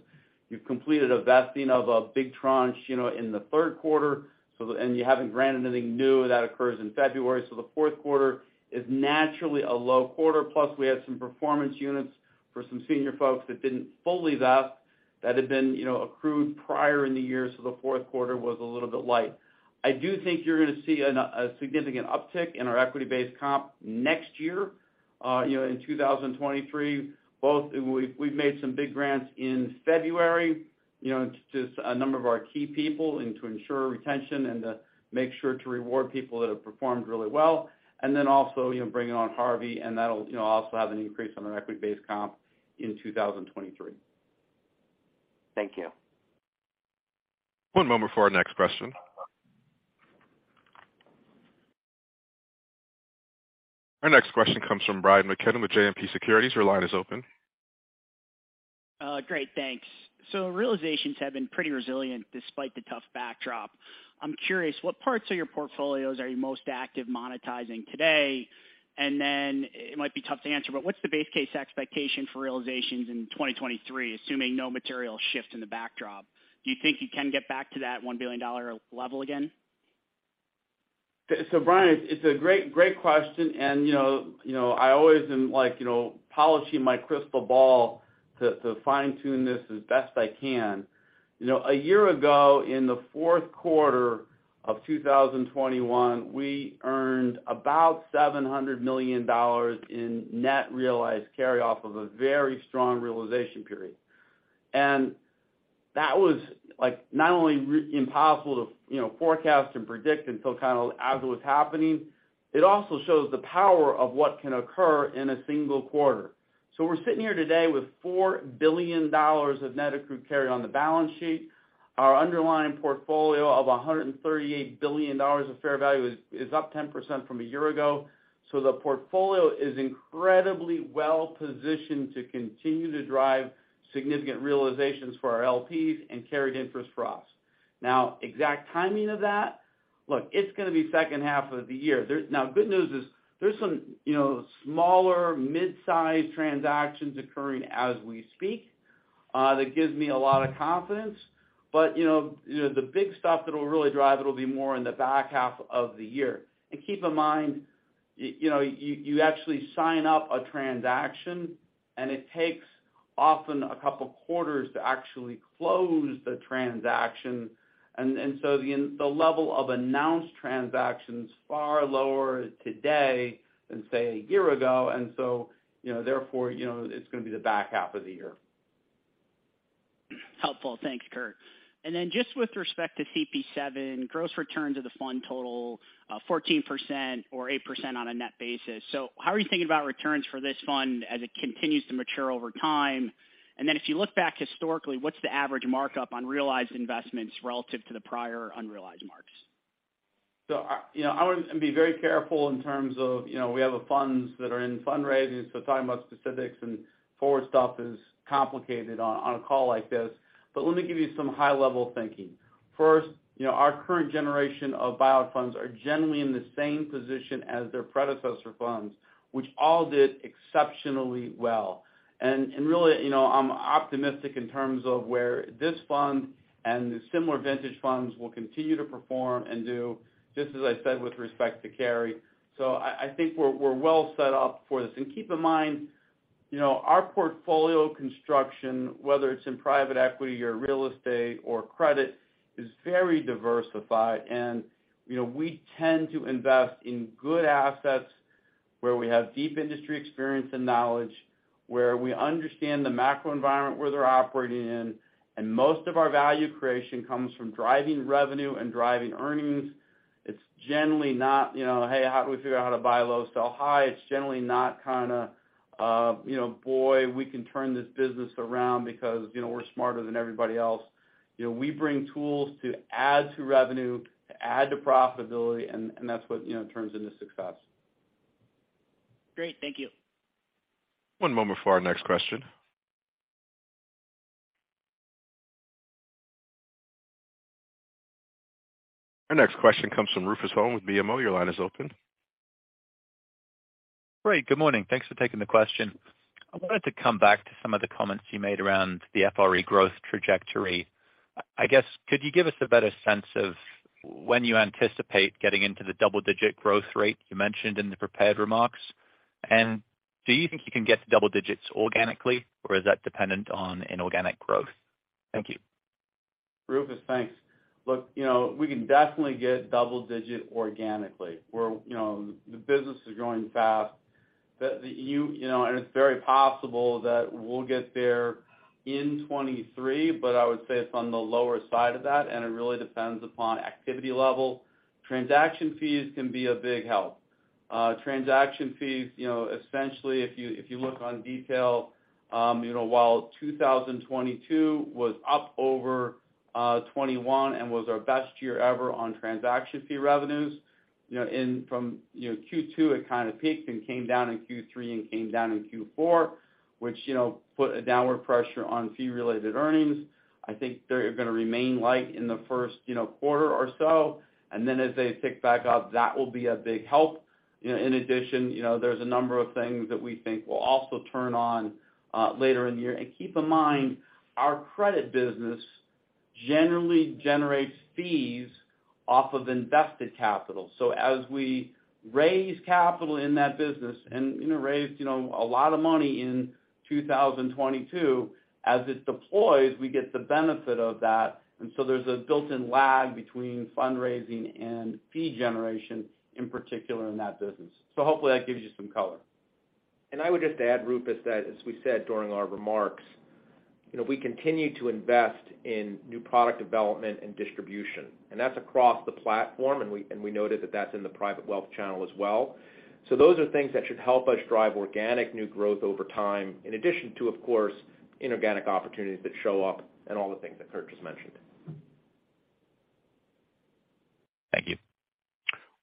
S4: you've completed a vesting of a big tranche, you know, in the third quarter, you haven't granted anything new. That occurs in February. The fourth quarter is naturally a low quarter, plus we had some performance units for some senior folks that didn't fully vest that had been, you know, accrued prior in the year, the fourth quarter was a little bit light. I do think you're gonna see a significant uptick in our equity-based comp next year, you know, in 2023. We've made some big grants in February, you know, to a number of our key people and to ensure retention and to make sure to reward people that have performed really well. Also, you know, bringing on Harvey and that'll, you know, also have an increase on our equity-based comp in 2023.
S9: Thank you.
S1: One moment for our next question. Our next question comes from Brian McKenna with JMP Securities. Your line is open.
S10: Great, thanks. Realizations have been pretty resilient despite the tough backdrop. I'm curious, what parts of your portfolios are you most active monetizing today? It might be tough to answer, but what's the base case expectation for realizations in 2023, assuming no material shift in the backdrop? Do you think you can get back to that $1 billion level again?
S4: Brian, it's a great question. you know, I always am like, you know, polishing my crystal ball to fine-tune this as best I can. You know, a year ago, in the fourth quarter of 2021, we earned about $700 million in net realized carry off of a very strong realization period. that was, like, not only impossible to, you know, forecast and predict until kind of as it was happening, it also shows the power of what can occur in a single quarter. we're sitting here today with $4 billion of net accrued carry on the balance sheet. Our underlying portfolio of $138 billion of fair value is up 10% from a year ago. The portfolio is incredibly well-positioned to continue to drive significant realizations for our LPs and carried interest for us. Exact timing of that, look, it's gonna be second half of the year. Good news is there's some, you know, smaller mid-sized transactions occurring as we speak, that gives me a lot of confidence. You know, the big stuff that will really drive it will be more in the back half of the year. Keep in mind, you know, you actually sign up a transaction, and it takes, often, a couple quarters to actually close the transaction. The level of announced transactions far lower today than, say, a year ago. You know, therefore, you know, it's gonna be the back half of the year.
S10: Helpful. Thanks, Curt. Just with respect to CP VII, gross returns of the fund total 14% or 8% on a net basis. How are you thinking about returns for this fund as it continues to mature over time? If you look back historically, what's the average markup on realized investments relative to the prior unrealized marks?
S4: You know, I would be very careful in terms of, you know, we have funds that are in fundraising, so talking about specifics and forward stuff is complicated on a call like this. Let me give you some high-level thinking. First, you know, our current generation of buyout funds are generally in the same position as their predecessor funds, which all did exceptionally well. Really, you know, I'm optimistic in terms of where this fund and similar vintage funds will continue to perform and do just as I said with respect to carry. I think we're well set up for this. Keep in mind, you know, our portfolio construction, whether it's in private equity or real estate or credit, is very diversified. You know, we tend to invest in good assets where we have deep industry experience and knowledge, where we understand the macro environment where they're operating in. Most of our value creation comes from driving revenue and driving earnings. It's generally not, you know, "Hey, how do we figure out how to buy low, sell high?" It's generally not kinda, you know, "Boy, we can turn this business around because, you know, we're smarter than everybody else." You know, we bring tools to add to revenue, to add to profitability, and that's what, you know, turns into success.
S10: Great. Thank you.
S1: One moment for our next question. Our next question comes from Rufus Hone with BMO. Your line is open.
S11: Great. Good morning. Thanks for taking the question. I wanted to come back to some of the comments you made around the FRE growth trajectory. I guess could you give us a better sense of when you anticipate getting into the double-digit growth rate you mentioned in the prepared remarks? Do you think you can get to double digits organically, or is that dependent on inorganic growth? Thank you.
S4: Rufus, thanks. Look, you know, we can definitely get double-digit organically, where, you know, the business is growing fast. You know, it's very possible that we'll get there in 2023. I would say it's on the lower side of that. It really depends upon activity level. Transaction fees can be a big help. Transaction fees, you know, essentially, if you look on detail, you know, while 2022 was up over 2021 and was our best year ever on transaction fee revenues, you know, in from, you know, Q2, it kind of peaked and came down in Q3 and came down in Q4, which, you know, put a downward pressure on fee-related earnings. I think they're going to remain light in the first, you know, quarter or so. Then as they tick back up, that will be a big help. You know, in addition, you know, there's a number of things that we think will also turn on later in the year. Keep in mind, our credit business generally generates fees off of invested capital. As we raise capital in that business and, you know, raised, you know, a lot of money in 2022, as it deploys, we get the benefit of that. So there's a built-in lag between fundraising and fee generation, in particular in that business. Hopefully, that gives you some color.
S2: I would just add, Rufus, that as we said during our remarks, you know, we continue to invest in new product development and distribution, and that's across the platform, we noted that that's in the private wealth channel as well. Those are things that should help us drive organic new growth over time, in addition to, of course, inorganic opportunities that show up and all the things that Curt just mentioned.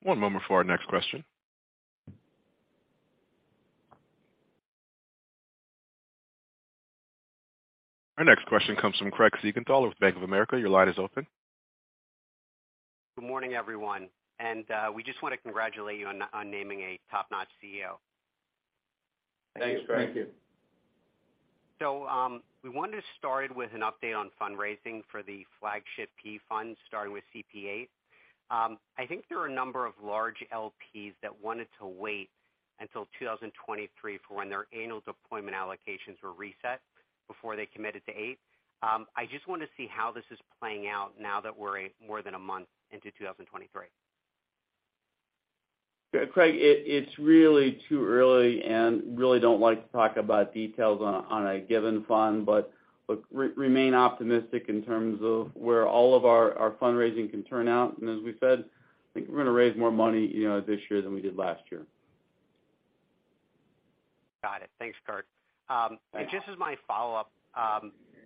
S11: Thank you.
S1: One moment for our next question. Our next question comes from Craig Siegenthaler with Bank of America. Your line is open.
S12: Good morning, everyone. We just wanna congratulate you on naming a top-notch CEO.
S3: Thanks, Craig. Thank you.
S12: We want to start with an update on fundraising for the Flagship P Fund, starting with CP8. I think there are a number of large LPs that wanted to wait until 2023 for when their annual deployment allocations were reset before they committed to 8. I just wanna see how this is playing out now that we're a more than a month into 2023.
S4: Craig, it's really too early and really don't like to talk about details on a, on a given fund, but look, remain optimistic in terms of where all of our fundraising can turn out. As we said, I think we're gonna raise more money, you know, this year than we did last year.
S12: Got it. Thanks, Curt. Just as my follow-up,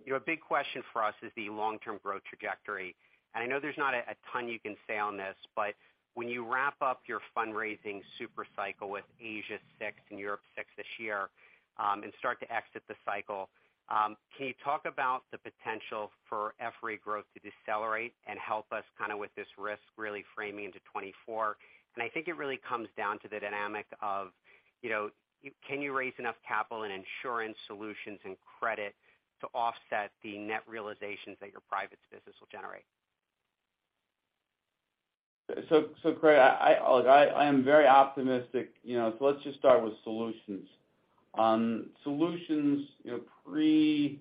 S12: you know, a big question for us is the long-term growth trajectory. I know there's not a ton you can say on this, but when you wrap up your fundraising super cycle with Asia VI and Europe VI this year, and start to exit the cycle, can you talk about the potential for FRE growth to decelerate and help us kinda with this risk really framing into 2024? I think it really comes down to the dynamic of, you know, can you raise enough capital and insurance solutions and credit to offset the net realizations that your privates business will generate?
S4: Craig, I look, I am very optimistic. You know, let's just start with solutions. Solutions, you know, pre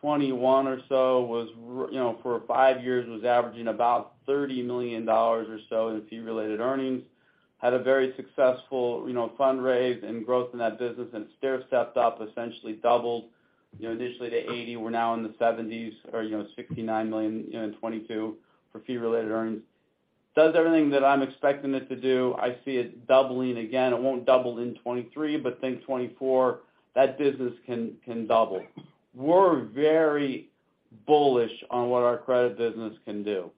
S4: 2021 or so was you know, for five years was averaging about $30 million or so in fee-related earnings. Had a very successful, you know, fundraise and growth in that business and stair stepped up, essentially doubled, you know, initially to 80. We're now in the 70s or, you know, it's $69 million in 2022 for fee-related earnings. Does everything that I'm expecting it to do. I see it doubling again. It won't double in 2023, but think 2024, that business can double. We're very bullish on what our credit business can do.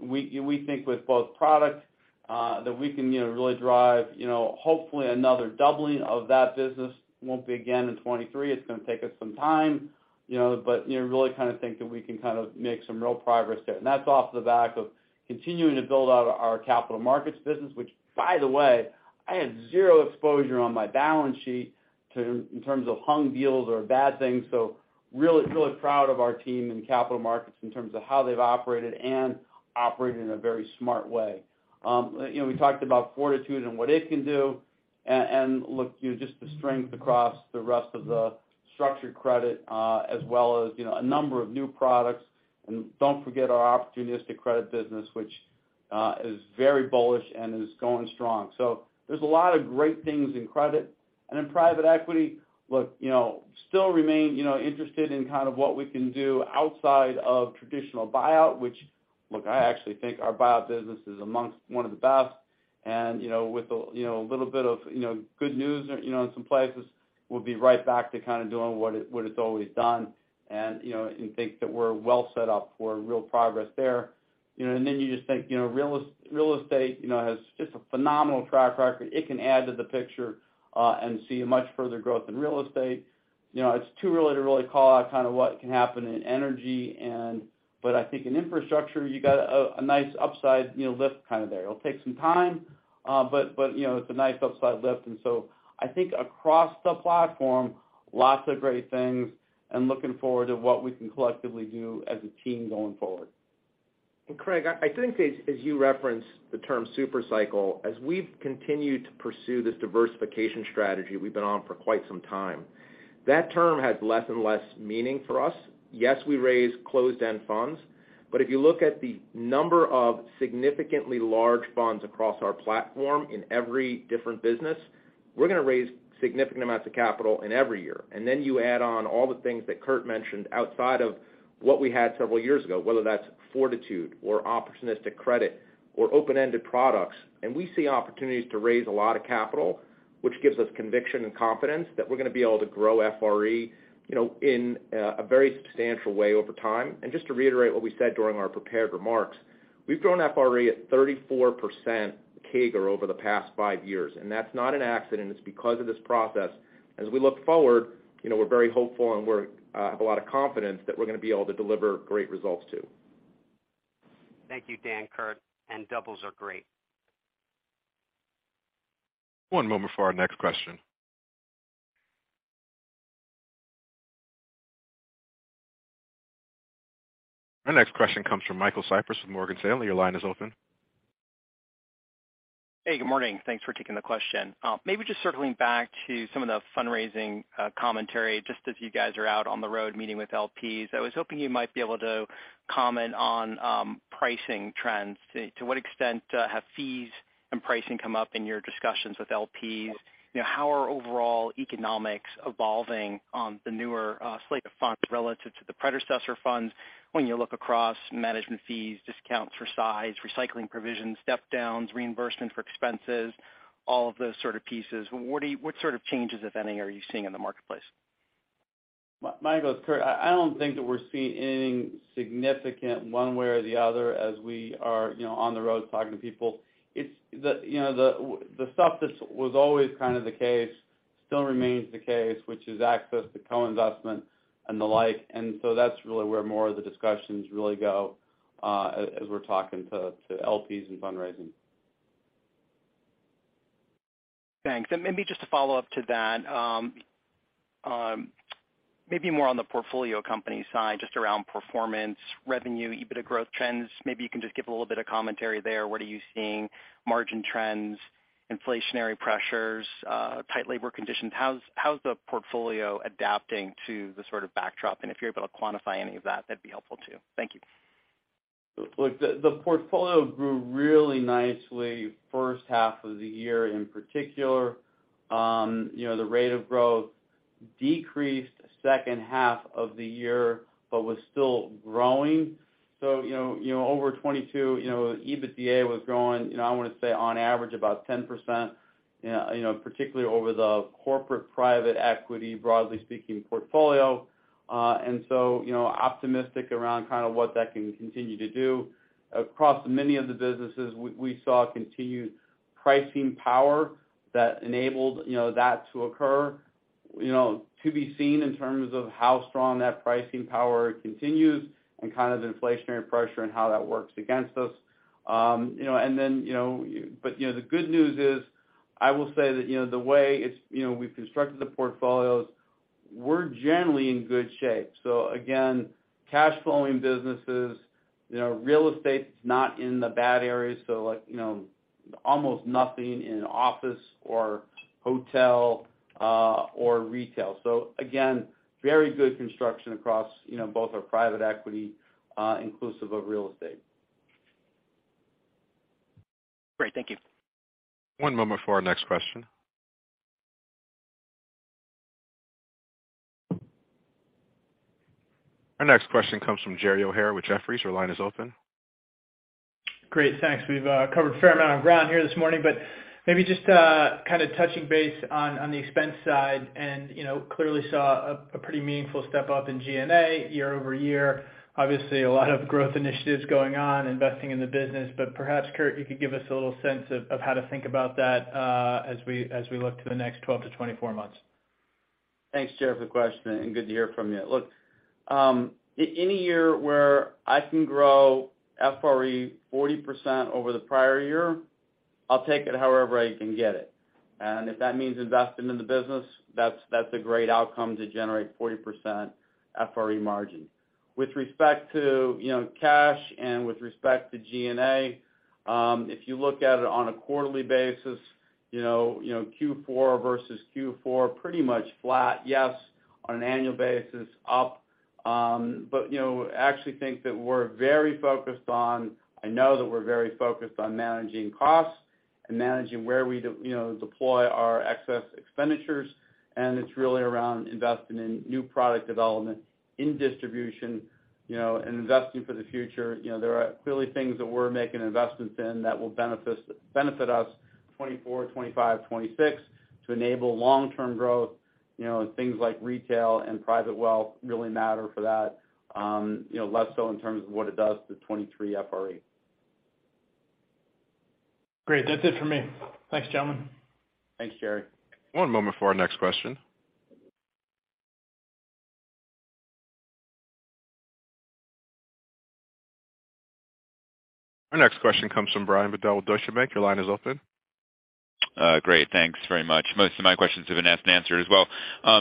S4: We, we think with both products, that we can, you know, really drive, you know, hopefully another doubling of that business. Won't be again in 2023. It's gonna take us some time, you know, but, you know, really kind of think that we can kind of make some real progress there. That's off the back of continuing to build out our capital markets business, which by the way, I have zero exposure on my balance sheet to, in terms of hung deals or bad things. Really, really proud of our team in capital markets in terms of how they've operated and operating in a very smart way. You know, we talked about Fortitude and what it can do, and look, you know, just the strength across the rest of the structured credit, as well as, you know, a number of new products. Don't forget our opportunistic credit business, which is very bullish and is going strong. There's a lot of great things in credit. In private equity, look, you know, still remain, you know, interested in kind of what we can do outside of traditional buyout, which, look, I actually think our buyout business is amongst one of the best. You know, with a, you know, little bit of, you know, good news, you know, in some places, we'll be right back to kind of doing what it, what it's always done. You know, and think that we're well set up for real progress there. You know, you just think, you know, real estate, you know, has just a phenomenal track record. It can add to the picture, and see much further growth in real estate. You know, it's too early to really call out kind of what can happen in energy. I think in infrastructure, you got a nice upside, you know, lift kind of there. It'll take some time, but, you know, it's a nice upside lift. I think across the platform, lots of great things and looking forward to what we can collectively do as a team going forward.
S2: Craig, I think as you referenced the term super cycle, as we've continued to pursue this diversification strategy we've been on for quite some time, that term has less and less meaning for us. Yes, we raise closed-end funds, but if you look at the number of significantly large funds across our platform in every different business, we're gonna raise significant amounts of capital in every year. Then you add on all the things that Curt mentioned outside of what we had several years ago, whether that's Fortitude or opportunistic credit or open-ended products. We see opportunities to raise a lot of capital, which gives us conviction and confidence that we're gonna be able to grow FRE, you know, in a very substantial way over time. Just to reiterate what we said during our prepared remarks, we've grown FRE at 34% CAGR over the past five years, and that's not an accident. It's because of this process. As we look forward, you know, we're very hopeful, and we're have a lot of confidence that we're gonna be able to deliver great results too.
S12: Thank you, Dan, Curt. Doubles are great.
S1: One moment for our next question. Our next question comes from Michael Cyprys with Morgan Stanley. Your line is open.
S13: Hey, good morning. Thanks for taking the question. Maybe just circling back to some of the fundraising commentary, just as you guys are out on the road meeting with LPs, I was hoping you might be able to comment on pricing trends. To what extent have fees and pricing come up in your discussions with LPs? You know, how are overall economics evolving on the newer slate of funds relative to the predecessor funds when you look across management fees, discounts for size, recycling provisions, step downs, reimbursements for expenses, all of those sort of pieces? What sort of changes, if any, are you seeing in the marketplace?
S4: Michael, it's Curt. I don't think that we're seeing anything significant one way or the other as we are, you know, on the road talking to people. It's the, you know, the stuff that's was always kind of the case still remains the case, which is access to co-investment and the like. That's really where more of the discussions really go, as we're talking to LPs and fundraising.
S13: Thanks. Maybe just to follow up to that, maybe more on the portfolio company side, just around performance, revenue, EBITDA growth trends. Maybe you can just give a little bit of commentary there. What are you seeing, margin trends, inflationary pressures, tight labor conditions? How's the portfolio adapting to the sort of backdrop? If you're able to quantify any of that'd be helpful too. Thank you.
S4: The portfolio grew really nicely first half of the year in particular. The rate of growth decreased second half of the year, but was still growing. You know, over 2022, EBITDA was growing, I wanna say on average about 10%, particularly over the corporate private equity, broadly speaking, portfolio. Optimistic around kind of what that can continue to do. Across many of the businesses, we saw continued pricing power that enabled that to occur, to be seen in terms of how strong that pricing power continues and kind of the inflationary pressure and how that works against us. You know, the good news is, I will say that, you know, the way it's, you know, we've constructed the portfolios, we're generally in good shape. Again, cash flowing businesses, you know, real estate's not in the bad areas, so like, you know, almost nothing in office or hotel or retail. Again, very good construction across, you know, both our private equity inclusive of real estate.
S13: Great. Thank you.
S1: One moment for our next question. Our next question comes from Gerald O'Hara with Jefferies. Your line is open.
S14: Great, thanks. We've covered a fair amount of ground here this morning, but maybe just kinda touching base on the expense side, and, you know, clearly saw a pretty meaningful step up in G&A year-over-year. Obviously, a lot of growth initiatives going on, investing in the business. Perhaps, Curt, you could give us a little sense of how to think about that, as we, as we look to the next 12-24 months?
S4: Thanks, Jerry, for the question. Good to hear from you. Look, any year where I can grow FRE 40% over the prior year, I'll take it however I can get it. If that means investing in the business, that's a great outcome to generate 40% FRE margin. With respect to, you know, cash and with respect to G&A, if you look at it on a quarterly basis, you know, Q4 versus Q4, pretty much flat, yes. On an annual basis, up. You know, actually think that we're very focused on, I know that we're very focused on managing costs and managing where we deploy our excess expenditures, and it's really around investing in new product development in distribution, you know, and investing for the future. You know, there are clearly things that we're making investments in that will benefit us 2024, 2025, 2026 to enable long-term growth. You know, things like retail and private wealth really matter for that, you know, less so in terms of what it does to 2023 FRE.
S14: Great. That's it for me. Thanks, gentlemen.
S4: Thanks, Jerry.
S1: One moment for our next question. Our next question comes from Brian Bedell with Deutsche Bank. Your line is open.
S15: Great. Thanks very much. Most of my questions have been asked and answered as well. I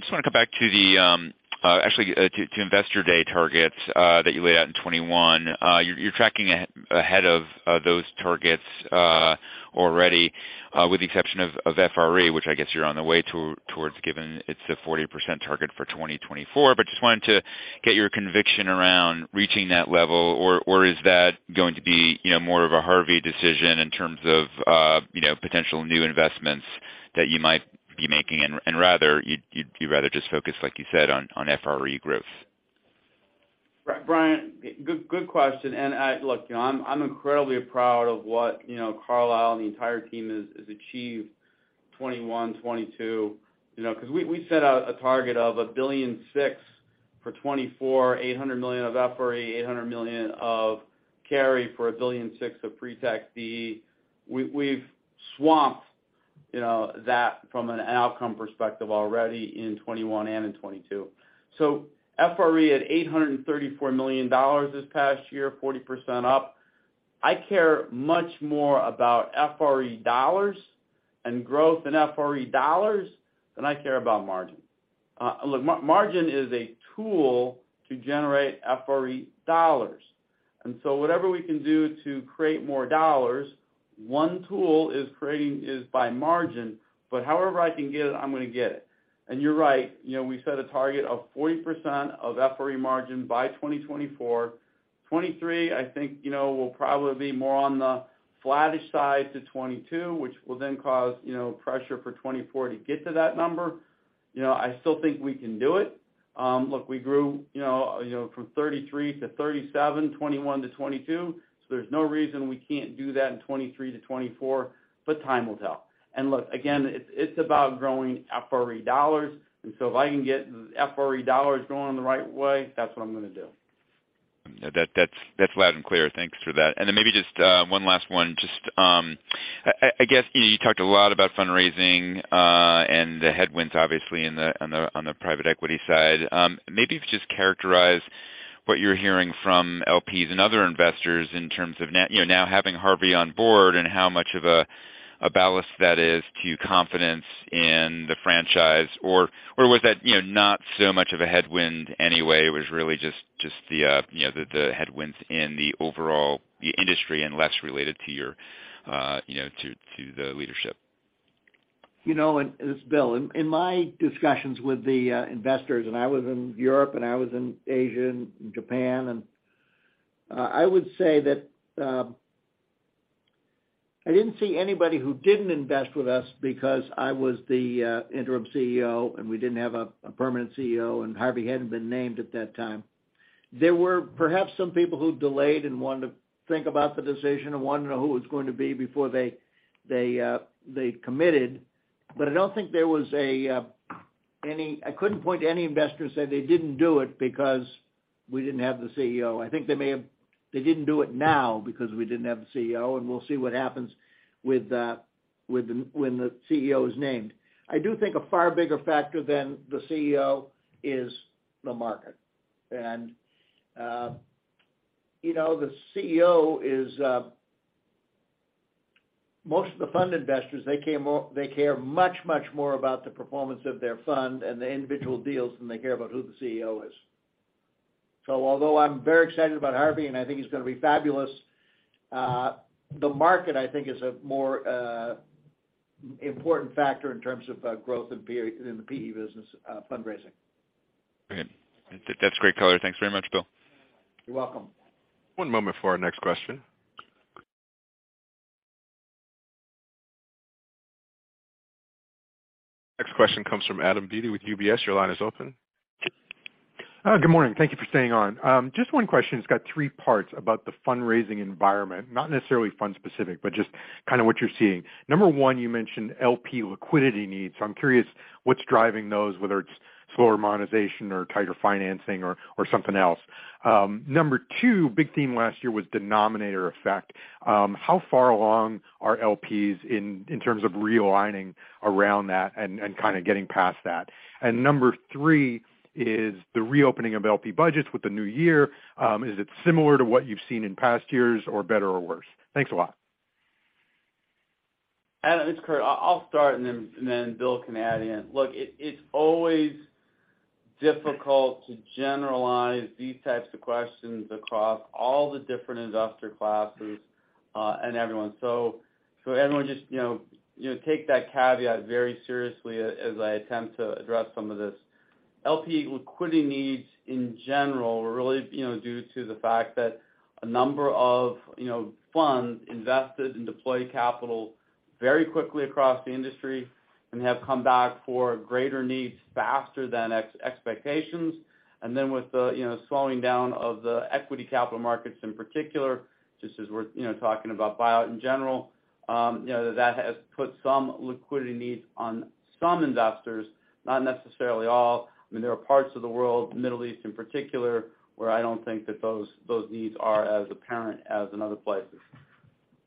S15: just wanna come back to the actually to Investor Day targets that you laid out in 2021. You're tracking ahead of those targets already with the exception of FRE, which I guess you're on the way towards given it's a 40% target for 2024. Just wanted to get your conviction around reaching that level or is that going to be, you know, more of a Harvey decision in terms of, you know, potential new investments that you might be making and rather you'd rather just focus, like you said, on FRE growth?
S4: Brian, good question. I look, you know, I'm incredibly proud of what, you know, Carlyle and the entire team has achieved 2021, 2022. You know, because we set out a target of $1.6 billion for 2024, $800 million of FRE, $800 million of carry for $1.6 billion of pre-tax DE. We've swamped, you know, that from an outcome perspective already in 2021 and in 2022. FRE at $834 million this past year, 40% up. I care much more about FRE dollars and growth in FRE dollars than I care about margin. Look, margin is a tool to generate FRE dollars. Whatever we can do to create more dollars, one tool is creating is by margin, but however I can get it, I'm gonna get it. You're right, you know, we set a target of 40% of FRE margin by 2024. 2023, I think, you know, will probably be more on the flattish side to 2022, which will then cause, you know, pressure for 2024 to get to that number. You know, I still think we can do it. Look, we grew, you know, from 33%-37%, 2021-2022, so there's no reason we can't do that in 2023-2024, but time will tell. Look, again, it's about growing FRE dollars. If I can get FRE dollars going the right way, that's what I'm gonna do.
S15: That's loud and clear. Thanks for that. Then maybe just one last one. Just, I guess, you know, you talked a lot about fundraising, and the headwinds, obviously, on the private equity side. Maybe if you just characterize what you're hearing from LPs and other investors in terms of you know, now having Harvey on board and how much of a ballast that is to confidence in the franchise. Was that, you know, not so much of a headwind anyway? It was really just the, you know, the headwinds in the overall industry and less related to your, you know, to the leadership.
S3: You know, this is Bill. In my discussions with the investors, I was in Europe and I was in Asia and Japan, and I would say that I didn't see anybody who didn't invest with us because I was the interim CEO and we didn't have a permanent CEO, and Harvey hadn't been named at that time. There were perhaps some people who delayed and wanted to think about the decision and wanted to know who it was going to be before they committed. I don't think there was any. I couldn't point to any investors saying they didn't do it because we didn't have the CEO. I think they didn't do it now because we didn't have the CEO, and we'll see what happens when the CEO is named. I do think a far bigger factor than the CEO is the market. You know, the CEO is. Most of the fund investors, they care much, much more about the performance of their fund and the individual deals than they care about who the CEO is. Although I'm very excited about Harvey and I think he's gonna be fabulous, the market, I think, is a more important factor in terms of growth in the PE business fundraising.
S15: Okay. That's great color. Thanks very much, Bill.
S3: You're welcome.
S1: One moment for our next question. Next question comes from Adam Beatty with UBS. Your line is open.
S16: Good morning. Thank you for staying on. Just one question, it's got three parts, about the fundraising environment, not necessarily fund specific, but just kinda what you're seeing. Number one, you mentioned LP liquidity needs. I'm curious what's driving those, whether it's slower monetization or tighter financing or something else. Number two, big theme last year was denominator effect. How far along are LPs in terms of realigning around that and kinda getting past that? Number three is the reopening of LP budgets with the new year, is it similar to what you've seen in past years or better or worse? Thanks a lot.
S4: Adam, it's Curt. I'll start and then Bill can add in. Look, it's always difficult to generalize these types of questions across all the different investor classes, and everyone. Everyone just, you know, take that caveat very seriously as I attempt to address some of this. LP liquidity needs in general were really, you know, due to the fact that a number of, you know, funds invested in deploy capital very quickly across the industry and have come back for greater needs faster than expectations. Then with the, you know, slowing down of the equity capital markets in particular, just as we're, you know, talking about buyout in general, you know, that has put some liquidity needs on some investors, not necessarily all. I mean, there are parts of the world, Middle East in particular, where I don't think that those needs are as apparent as in other places.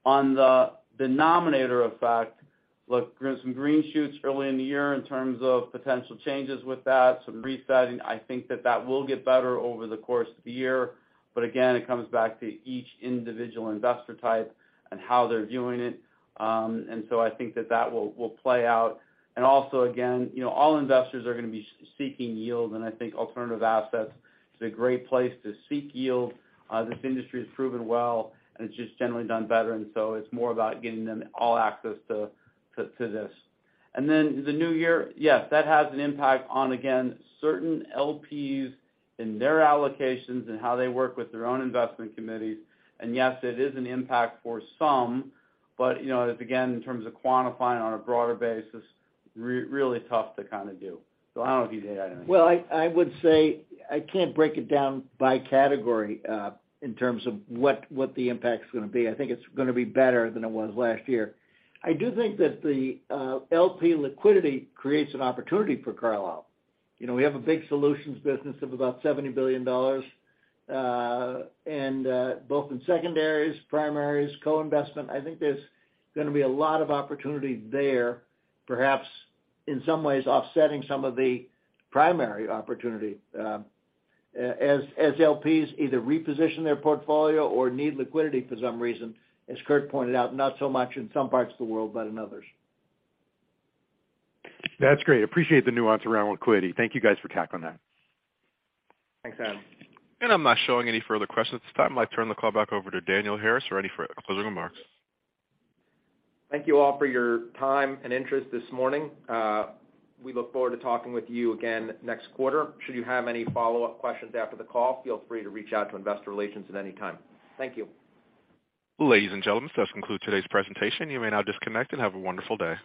S4: On the denominator effect, look, some green shoots early in the year in terms of potential changes with that, some resetting. I think that that will get better over the course of the year. Again, it comes back to each individual investor type and how they're viewing it. I think that that will play out. Also, again, you know, all investors are gonna be seeking yield, and I think alternative assets is a great place to seek yield. This industry has proven well, and it's just generally done better, and so it's more about getting them all access to this. Then the new year, yes, that has an impact on, again, certain LPs and their allocations and how they work with their own investment committees. Yes, it is an impact for some, but you know, again, in terms of quantifying on a broader basis, really tough to kinda do. I don't know if you'd add anything.
S3: Well, I would say I can't break it down by category, in terms of what the impact's gonna be. I think it's gonna be better than it was last year. I do think that the LP liquidity creates an opportunity for Carlyle. You know, we have a big solutions business of about $70 billion, and both in secondaries, primaries, co-investment, I think there's gonna be a lot of opportunity there, perhaps in some ways offsetting some of the primary opportunity, as LPs either reposition their portfolio or need liquidity for some reason, as Curt pointed out, not so much in some parts of the world, but in others.
S16: That's great. Appreciate the nuance around liquidity. Thank you guys for tackling that.
S4: Thanks, Adam.
S1: I'm not showing any further questions at this time. I'd like to turn the call back over to Daniel Harris for any closing remarks.
S2: Thank you all for your time and interest this morning. We look forward to talking with you again next quarter. Should you have any follow-up questions after the call, feel free to reach out to Investor Relations at any time. Thank you.
S1: Ladies and gentlemen, this does conclude today's presentation. You may now disconnect and have a wonderful day.